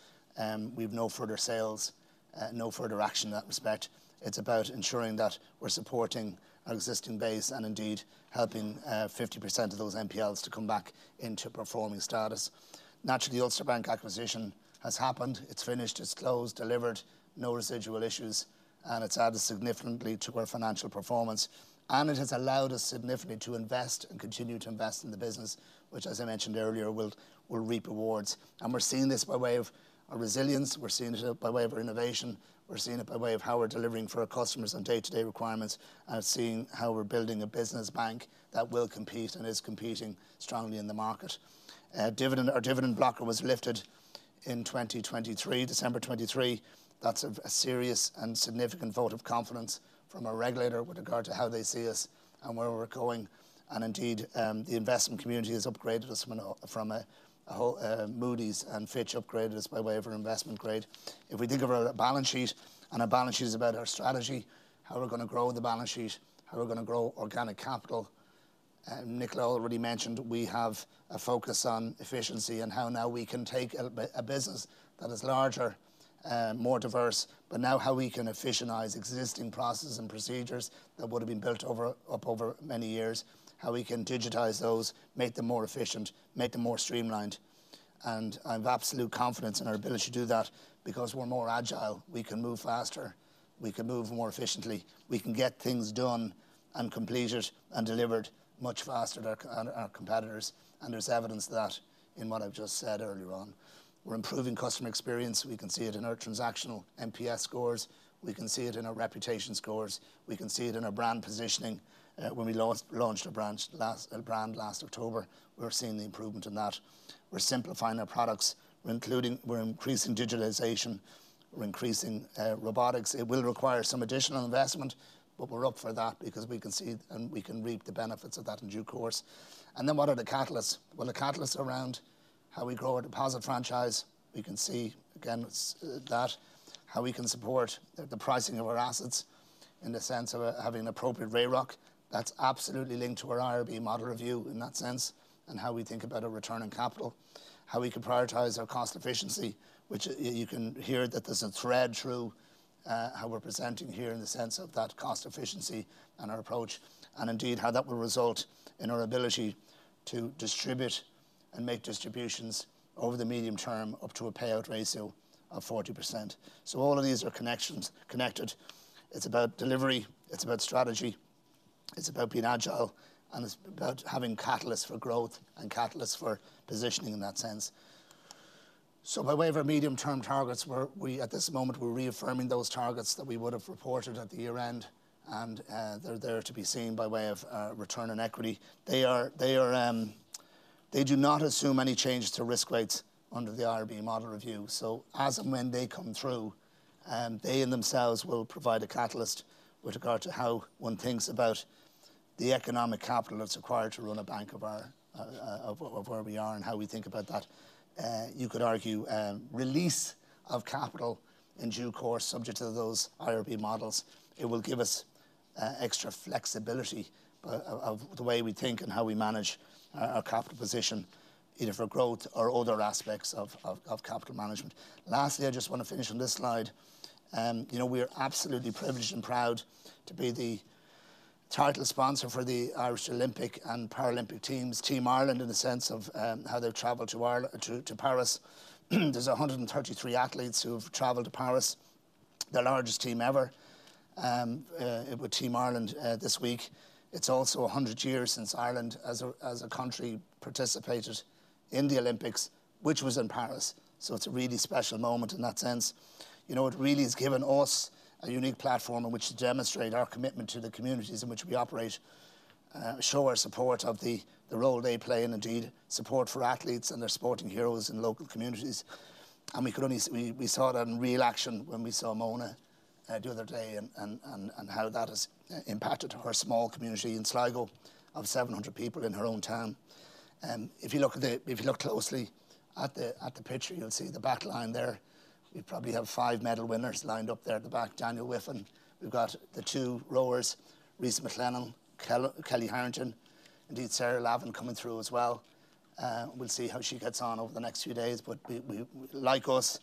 A: we've no further sales, no further action in that respect. It's about ensuring that we're supporting our existing base and indeed helping 50% of those NPLs to come back into performing status. Naturally, Ulster Bank acquisition has happened. It's finished, it's closed, delivered, no residual issues, and it's added significantly to our financial performance. It has allowed us significantly to invest and continue to invest in the business, which, as I mentioned earlier, will reap rewards. We're seeing this by way of our resilience. We're seeing it by way of our innovation. We're seeing it by way of how we're delivering for our customers on day-to-day requirements and seeing how we're building a business bank that will compete and is competing strongly in the market. Our dividend blocker was lifted in December 23, 2023. That's a serious and significant vote of confidence from our regulator with regard to how they see us and where we're going. Indeed, the investment community has upgraded us from Moody's and Fitch upgraded us by way of our investment grade. If we think of our balance sheet and our balance sheet is about our strategy, how we're going to grow the balance sheet, how we're going to grow organic capital. Nicola already mentioned we have a focus on efficiency and how now we can take a business that is larger, more diverse, but now how we can efficientize existing processes and procedures that would have been built up over many years, how we can digitize those, make them more efficient, make them more streamlined. And I have absolute confidence in our ability to do that because we're more agile. We can move faster. We can move more efficiently. We can get things done and completed and delivered much faster than our competitors. And there's evidence of that in what I've just said earlier on. We're improving customer experience. We can see it in our transactional NPS scores. We can see it in our reputation scores. We can see it in our brand positioning. When we launched our brand last October, we were seeing the improvement in that. We're simplifying our products. We're increasing digitalization. We're increasing robotics. It will require some additional investment, but we're up for that because we can see and we can reap the benefits of that in due course. And then what are the catalysts? Well, the catalysts are around how we grow our deposit franchise. We can see, again, that how we can support the pricing of our assets in the sense of having an appropriate RAROC. That's absolutely linked to our IRB model review in that sense and how we think about our return on capital, how we can prioritize our cost efficiency, which you can hear that there's a thread through how we're presenting here in the sense of that cost efficiency and our approach and indeed how that will result in our ability to distribute and make distributions over the medium term up to a payout ratio of 40%. So all of these are connected. It's about delivery. It's about strategy. It's about being agile. And it's about having catalysts for growth and catalysts for positioning in that sense. So by way of our medium-term targets, at this moment, we're reaffirming those targets that we would have reported at the year-end, and they're there to be seen by way of return on equity. They do not assume any change to risk weights under the IRB model review. So as and when they come through, they in themselves will provide a catalyst with regard to how one thinks about the economic capital that's required to run a bank of where we are and how we think about that. You could argue release of capital in due course subject to those IRB models. It will give us extra flexibility of the way we think and how we manage our capital position, either for growth or other aspects of capital management. Lastly, I just want to finish on this slide. We are absolutely privileged and proud to be the title sponsor for the Irish Olympic and Paralympic teams, Team Ireland, in the sense of how they've traveled to Paris. There's 133 athletes who have traveled to Paris. Their largest team ever with Team Ireland this week. It's also 100 years since Ireland as a country participated in the Olympics, which was in Paris. So it's a really special moment in that sense. It really has given us a unique platform in which to demonstrate our commitment to the communities in which we operate, show our support of the role they play in, indeed support for athletes and their sporting heroes in local communities. And we saw that in real action when we saw Mona the other day and how that has impacted her small community in Sligo of 700 people in her own town. If you look closely at the picture, you'll see the back line there. We probably have five medal winners lined up there at the back, Daniel Wiffen. We've got the two rowers, Rhys McClenaghan, Kellie Harrington, indeed Sarah Lavin coming through as well. We'll see how she gets on over the next few days, but like us,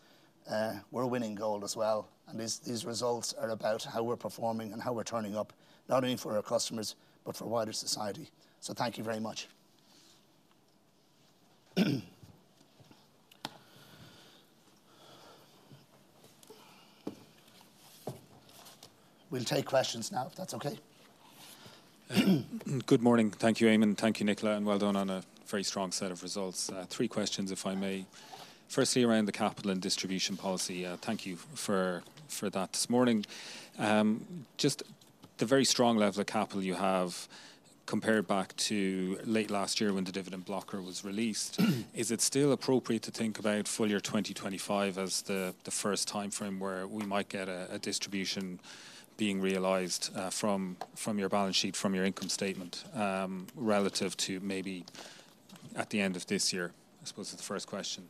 A: we're a winning goal as well. And these results are about how we're performing and how we're turning up, not only for our customers, but for wider society. So thank you very much. We'll take questions now, if that's okay.
C: Good morning. Thank you, Eamonn. Thank you, Nicola, and well done on a very strong set of results. Three questions, if I may. Firstly, around the capital and distribution policy. Thank you for that this morning. Just the very strong level of capital you have compared back to late last year when the dividend blocker was released, is it still appropriate to think about full year 2025 as the first time frame where we might get a distribution being realized from your balance sheet, from your income statement relative to maybe at the end of this year, I suppose is the first question?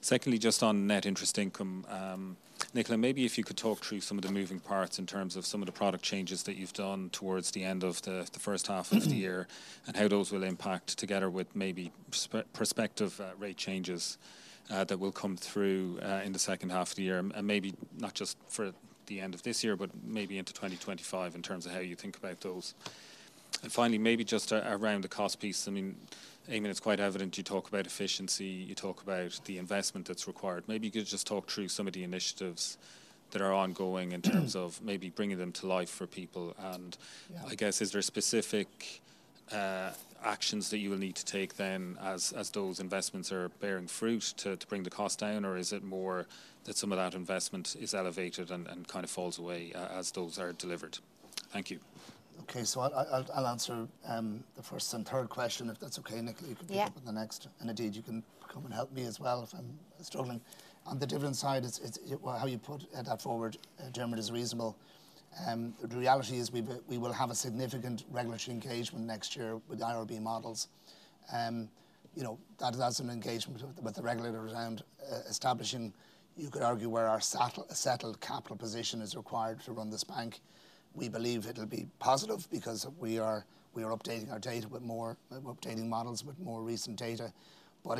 C: Secondly, just on net interest income, Nicola, maybe if you could talk through some of the moving parts in terms of some of the product changes that you've done towards the end of the first half of the year and how those will impact together with maybe prospective rate changes that will come through in the second half of the year, and maybe not just for the end of this year, but maybe into 2025 in terms of how you think about those. Finally, maybe just around the cost piece. I mean, Eamonn, it's quite evident you talk about efficiency. You talk about the investment that's required. Maybe you could just talk through some of the initiatives that are ongoing in terms of maybe bringing them to life for people. And I guess, is there specific actions that you will need to take then as those investments are bearing fruit to bring the cost down, or is it more that some of that investment is elevated and kind of falls away as those are delivered? Thank you. Okay, so I'll answer the first and third question, if that's okay. Nicola, you can jump on the next. And indeed, you can come and help me as well if I'm struggling. On the dividend side, how you put that forward, Diarmaid, is reasonable. The reality is we will have a significant regulatory engagement next year with the IRB models. That is an engagement with the regulator around establishing, you could argue, where our settled capital position is required to run this bank. We believe it'll be positive because we are updating our data with more updating models with more recent data. But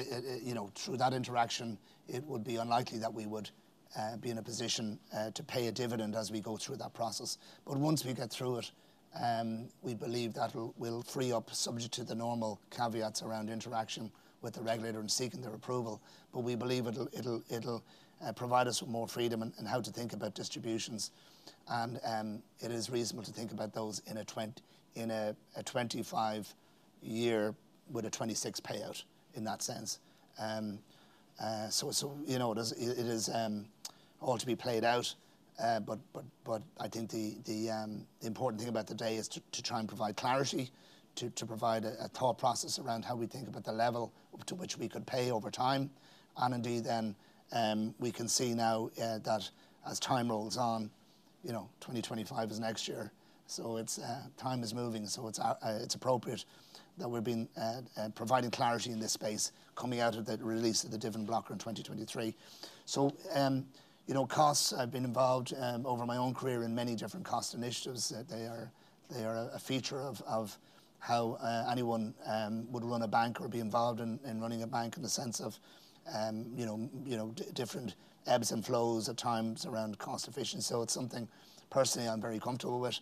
C: through that interaction, it would be unlikely that we would be in a position to pay a dividend as we go through that process. But once we get through it, we believe that will free up subject to the normal caveats around interaction with the regulator and seeking their approval. But we believe it'll provide us with more freedom in how to think about distributions. And it is reasonable to think about those in a 2025 with a 2026 payout in that sense. So it is all to be played out. But I think the important thing about the day is to try and provide clarity, to provide a thought process around how we think about the level to which we could pay over time. And indeed, then we can see now that as time rolls on, 2025 is next year. So time is moving. So it's appropriate that we've been providing clarity in this space coming out of the release of the dividend blocker in 2023. So costs, I've been involved over my own career in many different cost initiatives. They are a feature of how anyone would run a bank or be involved in running a bank in the sense of different ebbs and flows at times around cost efficiency. So it's something personally I'm very comfortable with.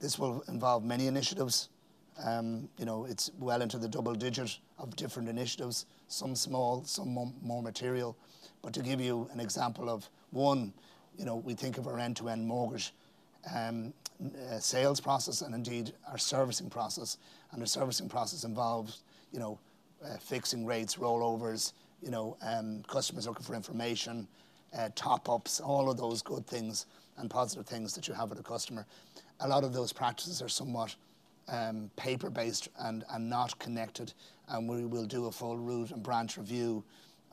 C: This will involve many initiatives. It's well into the double digits of different initiatives, some small, some more material. To give you an example of one, we think of our end-to-end mortgage sales process and indeed our servicing process. Our servicing process involves fixing rates, rollovers, customers looking for information, top-ups, all of those good things and positive things that you have with a customer. A lot of those practices are somewhat paper-based and not connected. We will do a full root and branch review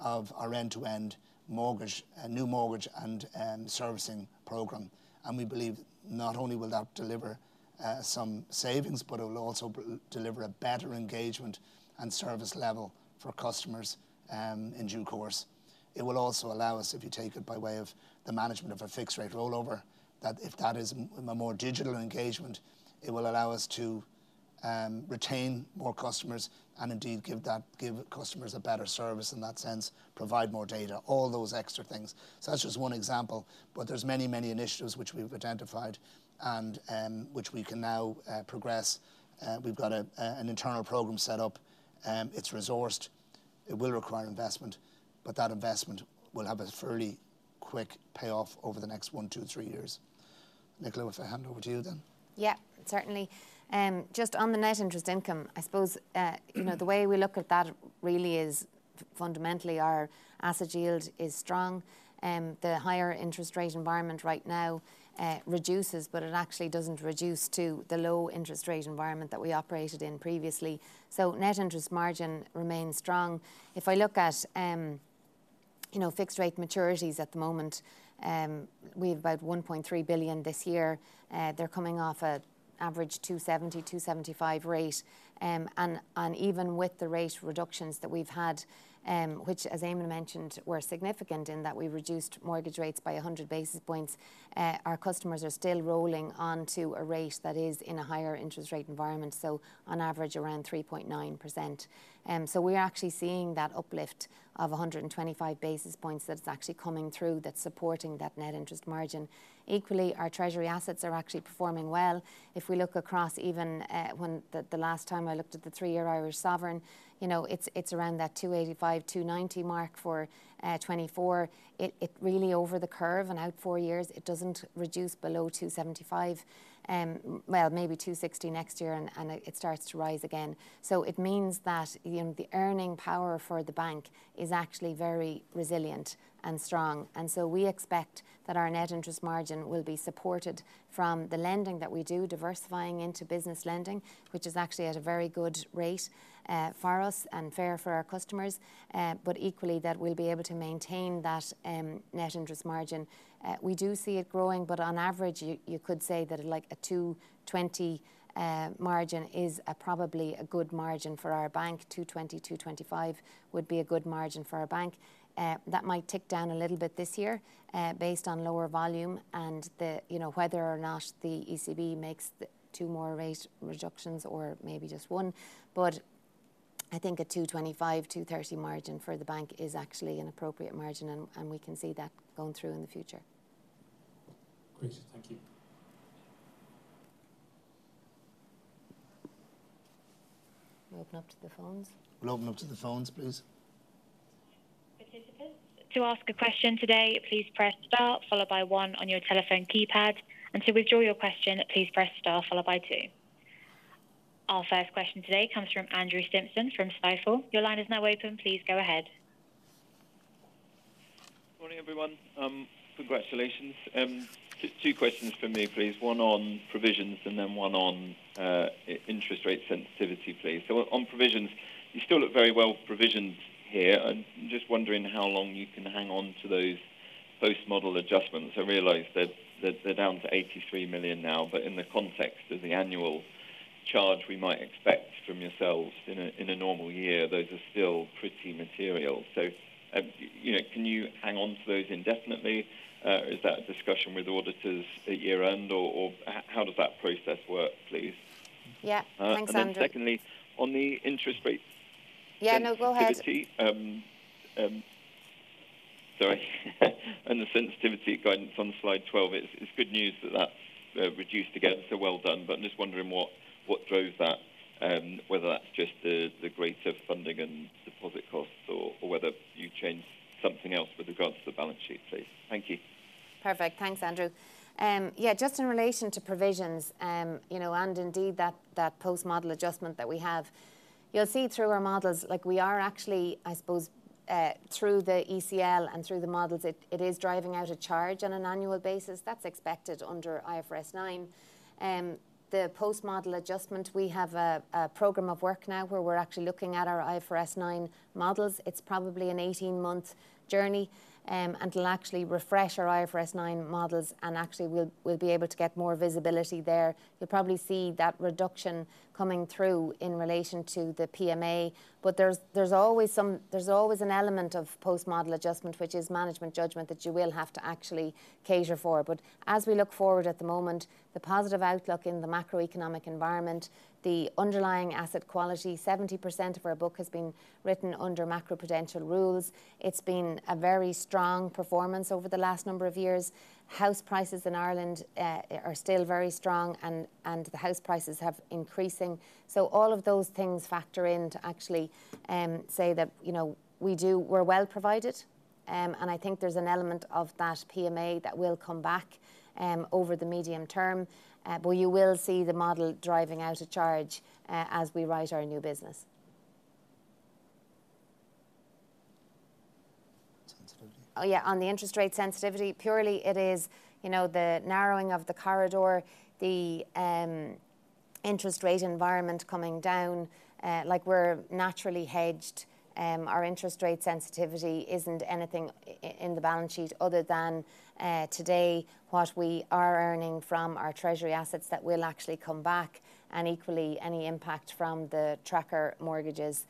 C: of our end-to-end mortgage, new mortgage and servicing program. We believe not only will that deliver some savings, but it will also deliver a better engagement and service level for customers in due course. It will also allow us, if you take it by way of the management of a fixed-rate rollover, that if that is a more digital engagement, it will allow us to retain more customers and indeed give customers a better service in that sense, provide more data, all those extra things. So that's just one example. But there's many, many initiatives which we've identified and which we can now progress. We've got an internal program set up. It's resourced. It will require investment, but that investment will have a fairly quick payoff over the next 1, 2, 3 years. Nicola, if I hand over to you then.
B: Yeah, certainly. Just on the net interest income, I suppose the way we look at that really is fundamentally our asset yield is strong. The higher interest rate environment right now reduces, but it actually doesn't reduce to the low interest rate environment that we operated in previously. So net interest margin remains strong. If I look at fixed-rate maturities at the moment, we have about 1.3 billion this year. They're coming off an average 2.70-2.75 rate. And even with the rate reductions that we've had, which, as Eamonn mentioned, were significant in that we reduced mortgage rates by 100 basis points, our customers are still rolling onto a rate that is in a higher interest rate environment, so on average around 3.9%. So we're actually seeing that uplift of 125 basis points that's actually coming through that's supporting that net interest margin. Equally, our treasury assets are actually performing well. If we look across even when the last time I looked at the three-year Irish sovereign, it's around that 285-290 mark for 2024. It really over the curve and out four years, it doesn't reduce below 275, well, maybe 260 next year, and it starts to rise again. So it means that the earning power for the bank is actually very resilient and strong. And so we expect that our net interest margin will be supported from the lending that we do, diversifying into business lending, which is actually at a very good rate for us and fair for our customers. But equally, that we'll be able to maintain that net interest margin. We do see it growing, but on average, you could say that a 220 margin is probably a good margin for our bank. 220-225 would be a good margin for our bank. That might tick down a little bit this year based on lower volume and whether or not the ECB makes two more rate reductions or maybe just one. But I think a 225, 230 margin for the bank is actually an appropriate margin, and we can see that going through in the future.
A: Great. Thank you. We'll open up to the phones. We'll open up to the phones, please. Participants,
D: to ask a question today, please press star followed by one on your telephone keypad. And to withdraw your question, please press star followed by two. Our first question today comes from Andrew Simpson from Stifel. Your line is now open. Please go ahead.
E: Good morning, everyone. Congratulations. Two questions for me, please. One on provisions and then one on interest rate sensitivity, please. So on provisions, you still look very well provisioned here. I'm just wondering how long you can hang on to those post-model adjustments. I realize they're down to 83 million now, but in the context of the annual charge we might expect from yourselves in a normal year, those are still pretty material. So can you hang on to those indefinitely? Is that a discussion with auditors at year-end, or how does that process work, please?
B: Yeah. Thanks, Andrew.
E: Secondly, on the interest rate sensitivity.
B: Yeah, no, go ahead.
E: Sorry. And the sensitivity guidance on slide 12, it's good news that that's reduced again, so well done. But I'm just wondering what drove that, whether that's just the greater funding and deposit costs or whether you changed something else with regards to the balance sheet, please. Thank you. Perfect.
B: Thanks, Andrew. Yeah, just in relation to provisions and indeed that post-model adjustment that we have, you'll see through our models, we are actually, I suppose, through the ECL and through the models, it is driving out a charge on an annual basis. That's expected under IFRS 9. The post-model adjustment, we have a program of work now where we're actually looking at our IFRS 9 models. It's probably an 18-month journey and will actually refresh our IFRS 9 models, and actually we'll be able to get more visibility there. You'll probably see that reduction coming through in relation to the PMA, but there's always an element of post-model adjustment, which is management judgment that you will have to actually cater for. But as we look forward at the moment, the positive outlook in the macroeconomic environment, the underlying asset quality, 70% of our book has been written under macroprudential rules. It's been a very strong performance over the last number of years. House prices in Ireland are still very strong, and the house prices have increasing. So all of those things factor in to actually say that we're well provided. And I think there's an element of that PMA that will come back over the medium term, but you will see the model driving out a charge as we write our new business. Sensitivity. Oh yeah, on the interest rate sensitivity, purely it is the narrowing of the corridor, the interest rate environment coming down. We're naturally hedged. Our interest rate sensitivity isn't anything in the balance sheet other than today what we are earning from our treasury assets that will actually come back, and equally any impact from the tracker mortgages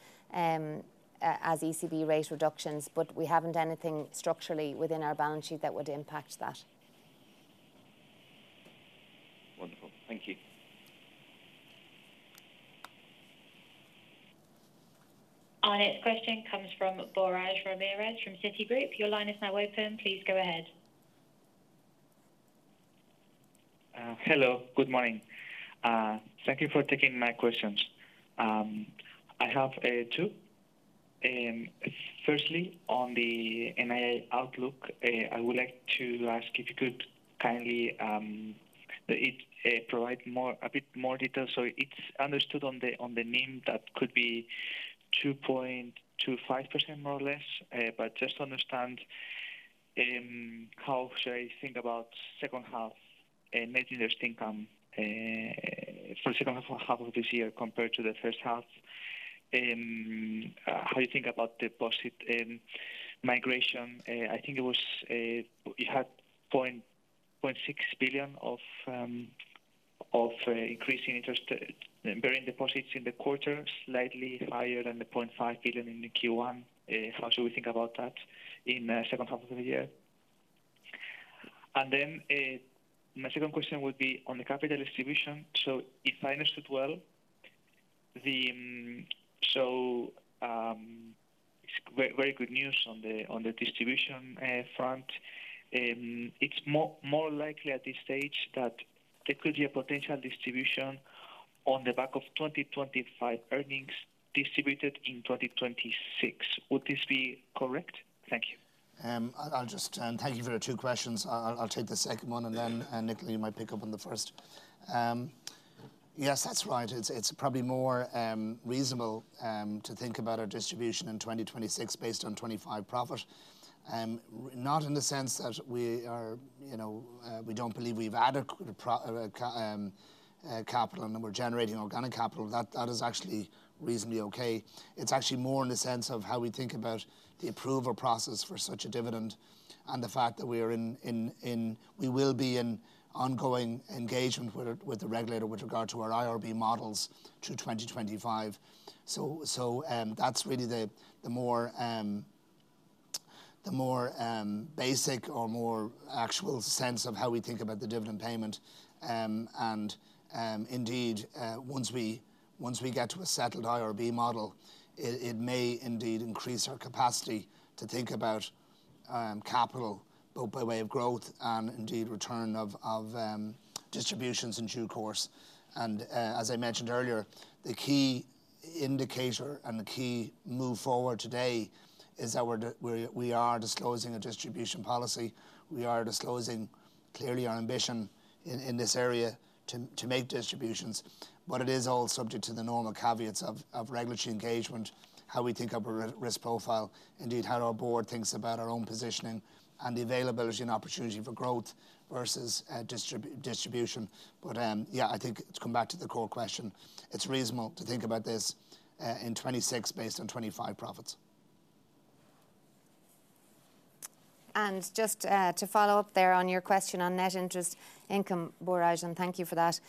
B: as ECB rate reductions. But we haven't anything structurally within our balance sheet that would impact that. Wonderful.
E: Thank you.
D: Our next question comes from Borja Ramirez from Citigroup. Your line is now open. Please go ahead.
F: Hello. Good morning. Thank you for taking my questions. I have two. Firstly, on the NII outlook, I would like to ask if you could kindly provide a bit more detail. So it's understood on the NIM that could be 2.25%, more or less, but just to understand how should I think about second half net interest income for the second half of this year compared to the first half? How do you think about deposit migration? I think you had 0.6 billion of increasing interest bearing deposits in the quarter, slightly higher than the 0.5 billion in Q1. How should we think about that in the second half of the year? And then my second question would be on the capital distribution.
A: So if I understood well, so it's very good news on the distribution front. It's more likely at this stage that there could be a potential distribution on the back of 2025 earnings distributed in 2026. Would this be correct? Thank you. Thank you for the two questions. I'll take the second one, and then Nicola, you might pick up on the first. Yes, that's right. It's probably more reasonable to think about our distribution in 2026 based on 25 profit. Not in the sense that we don't believe we've adequate capital and we're generating organic capital. That is actually reasonably okay. It's actually more in the sense of how we think about the approval process for such a dividend and the fact that we will be in ongoing engagement with the regulator with regard to our IRB models to 2025. So that's really the more basic or more actual sense of how we think about the dividend payment. Indeed, once we get to a settled IRB model, it may indeed increase our capacity to think about capital both by way of growth and indeed return of distributions in due course. As I mentioned earlier, the key indicator and the key move forward today is that we are disclosing a distribution policy. We are disclosing clearly our ambition in this area to make distributions. But it is all subject to the normal caveats of regulatory engagement, how we think of our risk profile, indeed how our board thinks about our own positioning, and the availability and opportunity for growth versus distribution. But yeah, I think to come back to the core question, it's reasonable to think about this in 2026 based on 2025 profits.
B: And just to follow up there on your question on net interest income, Borja, and thank you for that.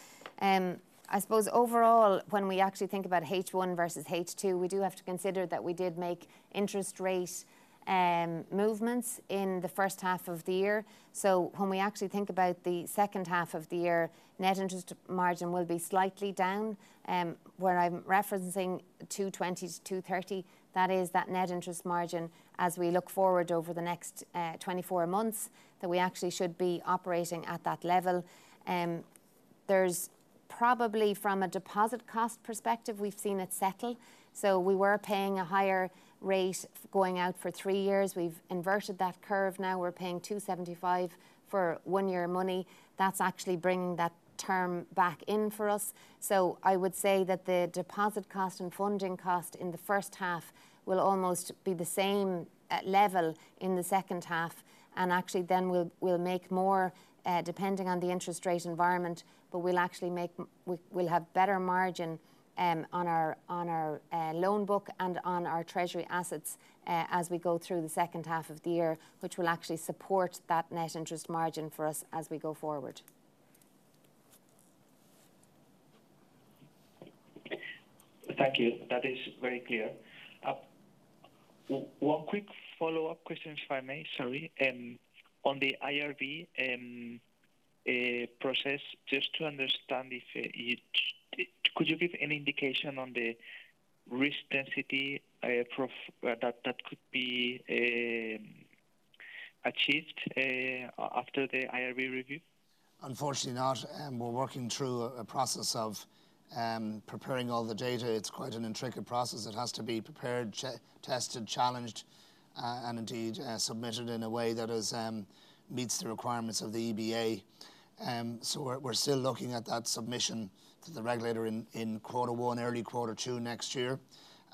B: I suppose overall, when we actually think about H1 versus H2, we do have to consider that we did make interest rate movements in the first half of the year. So when we actually think about the second half of the year, net interest margin will be slightly down. When I'm referencing 220-230, that is that net interest margin as we look forward over the next 24 months that we actually should be operating at that level. There's probably from a deposit cost perspective, we've seen it settle. So we were paying a higher rate going out for three years. We've inverted that curve. Now we're paying 275 for one-year money. That's actually bringing that term back in for us. So I would say that the deposit cost and funding cost in the first half will almost be the same level in the second half. And actually then we'll make more depending on the interest rate environment, but we'll actually have better margin on our loan book and on our treasury assets as we go through the second half of the year, which will actually support that net interest margin for us as we go forward. Thank you.
A: That is very clear. One quick follow-up question, if I may, sorry. On the IRB process, just to understand if you could give any indication on the risk density that could be achieved after the IRB review? Unfortunately not. We're working through a process of preparing all the data. It's quite an intricate process. It has to be prepared, tested, challenged, and indeed submitted in a way that meets the requirements of the EBA. So we're still looking at that submission to the regulator in quarter one, early quarter two next year,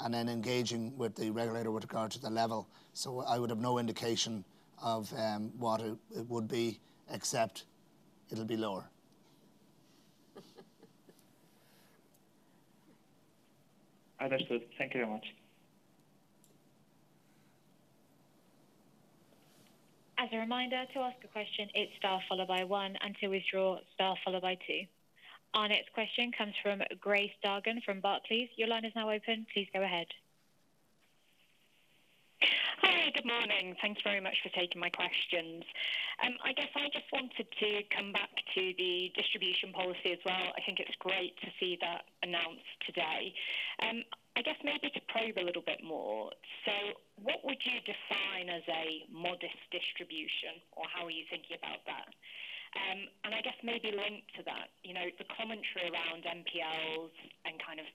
A: and then engaging with the regulator with regard to the level. So I would have no indication of what it would be except it'll be lower. Understood. Thank you very much. As a reminder, to ask a question, it's star followed by one until we draw star followed by two. Our next question comes from Grace Dargan from Barclays. Your line is now open. Please go ahead. Hi, good morning. Thanks very much for taking my questions. I guess I just wanted to come back to the distribution policy as well. I think it's great to see that announced today. I guess maybe to probe a little bit more.
B: So what would you define as a modest distribution, or how are you thinking about that? And I guess maybe linked to that, the commentary around NPLs and kind of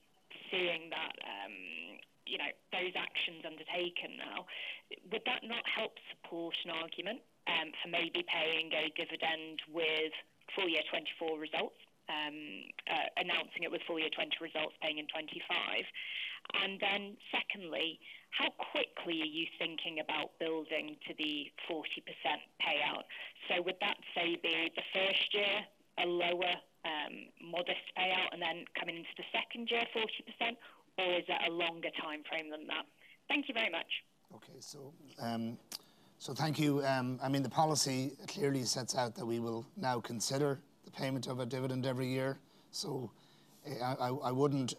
B: seeing those actions undertaken now, would that not help support an argument for maybe paying a dividend with full year 2024 results, announcing it with full year 2020 results, paying in 2025? And then secondly, how quickly are you thinking about building to the 40% payout? So would that, say, be the first year a lower modest payout and then coming into the second year 40%, or is that a longer timeframe than that? Thank you very much.
A: Okay. So thank you. I mean, the policy clearly sets out that we will now consider the payment of a dividend every year.
B: So I wouldn't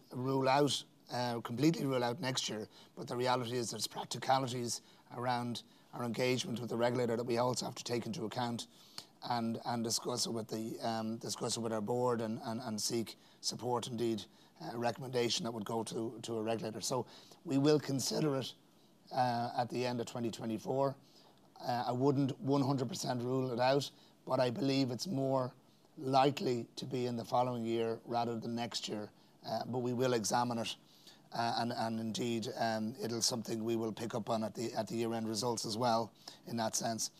B: completely rule out next year, but the reality is there's practicalities around our engagement with the regulator that we also have to take into account and discuss with our board and seek support, indeed, a recommendation that would go to a regulator. So we will consider it at the end of 2024. I wouldn't 100% rule it out, but I believe it's more likely to be in the following year rather than next year. But we will examine it, and indeed, it'll be something we will pick up on at the year-end results as well in that sense.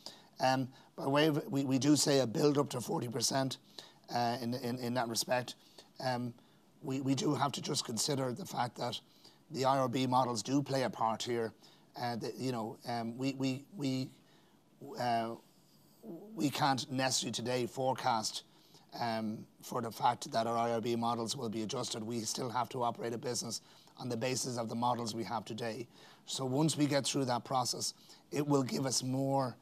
B: But we do say a build-up to 40% in that respect. We do have to just consider the fact that the IRB models do play a part here. We can't necessarily today forecast for the fact that our IRB models will be adjusted. We still have to operate a business on the basis of the models we have today. So once we get through that process, it will give us more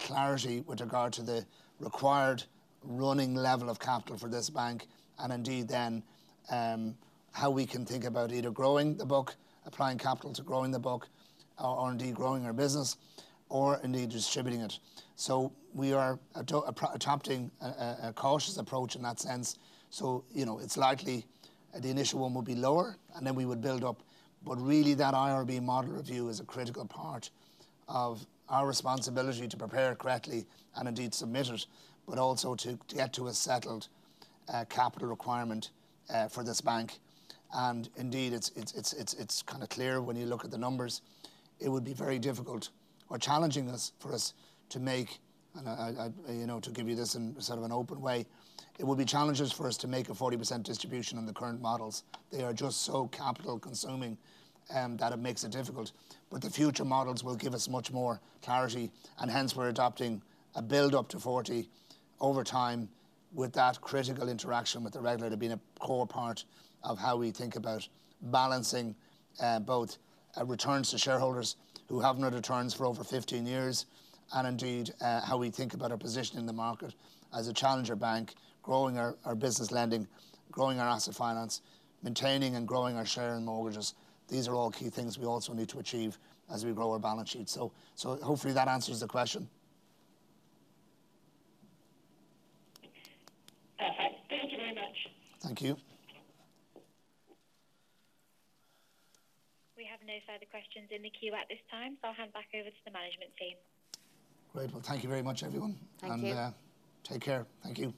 B: clarity with regard to the required running level of capital for this bank, and indeed then how we can think about either growing the book, applying capital to growing the book, or indeed growing our business, or indeed distributing it. So we are adopting a cautious approach in that sense. So it's likely the initial one will be lower, and then we would build up. But really, that IRB model review is a critical part of our responsibility to prepare correctly and indeed submit it, but also to get to a settled capital requirement for this bank. And indeed, it's kind of clear when you look at the numbers, it would be very difficult or challenging for us to make, and to give you this in sort of an open way, it would be challenges for us to make a 40% distribution on the current models. They are just so capital-consuming that it makes it difficult. But the future models will give us much more clarity, and hence we're adopting a build-up to 40 over time with that critical interaction with the regulator being a core part of how we think about balancing both returns to shareholders who have no returns for over 15 years, and indeed how we think about our position in the market as a challenger bank, growing our business lending, growing our asset finance, maintaining and growing our share in mortgages. These are all key things we also need to achieve as we grow our balance sheet. Hopefully that answers the question. Perfect. Thank you very much.
A: Thank you.
D: We have no further questions in the queue at this time, so I'll hand back over to the management team.
A: Great. Well, thank you very much, everyone. Thank you. Take care. Thank you.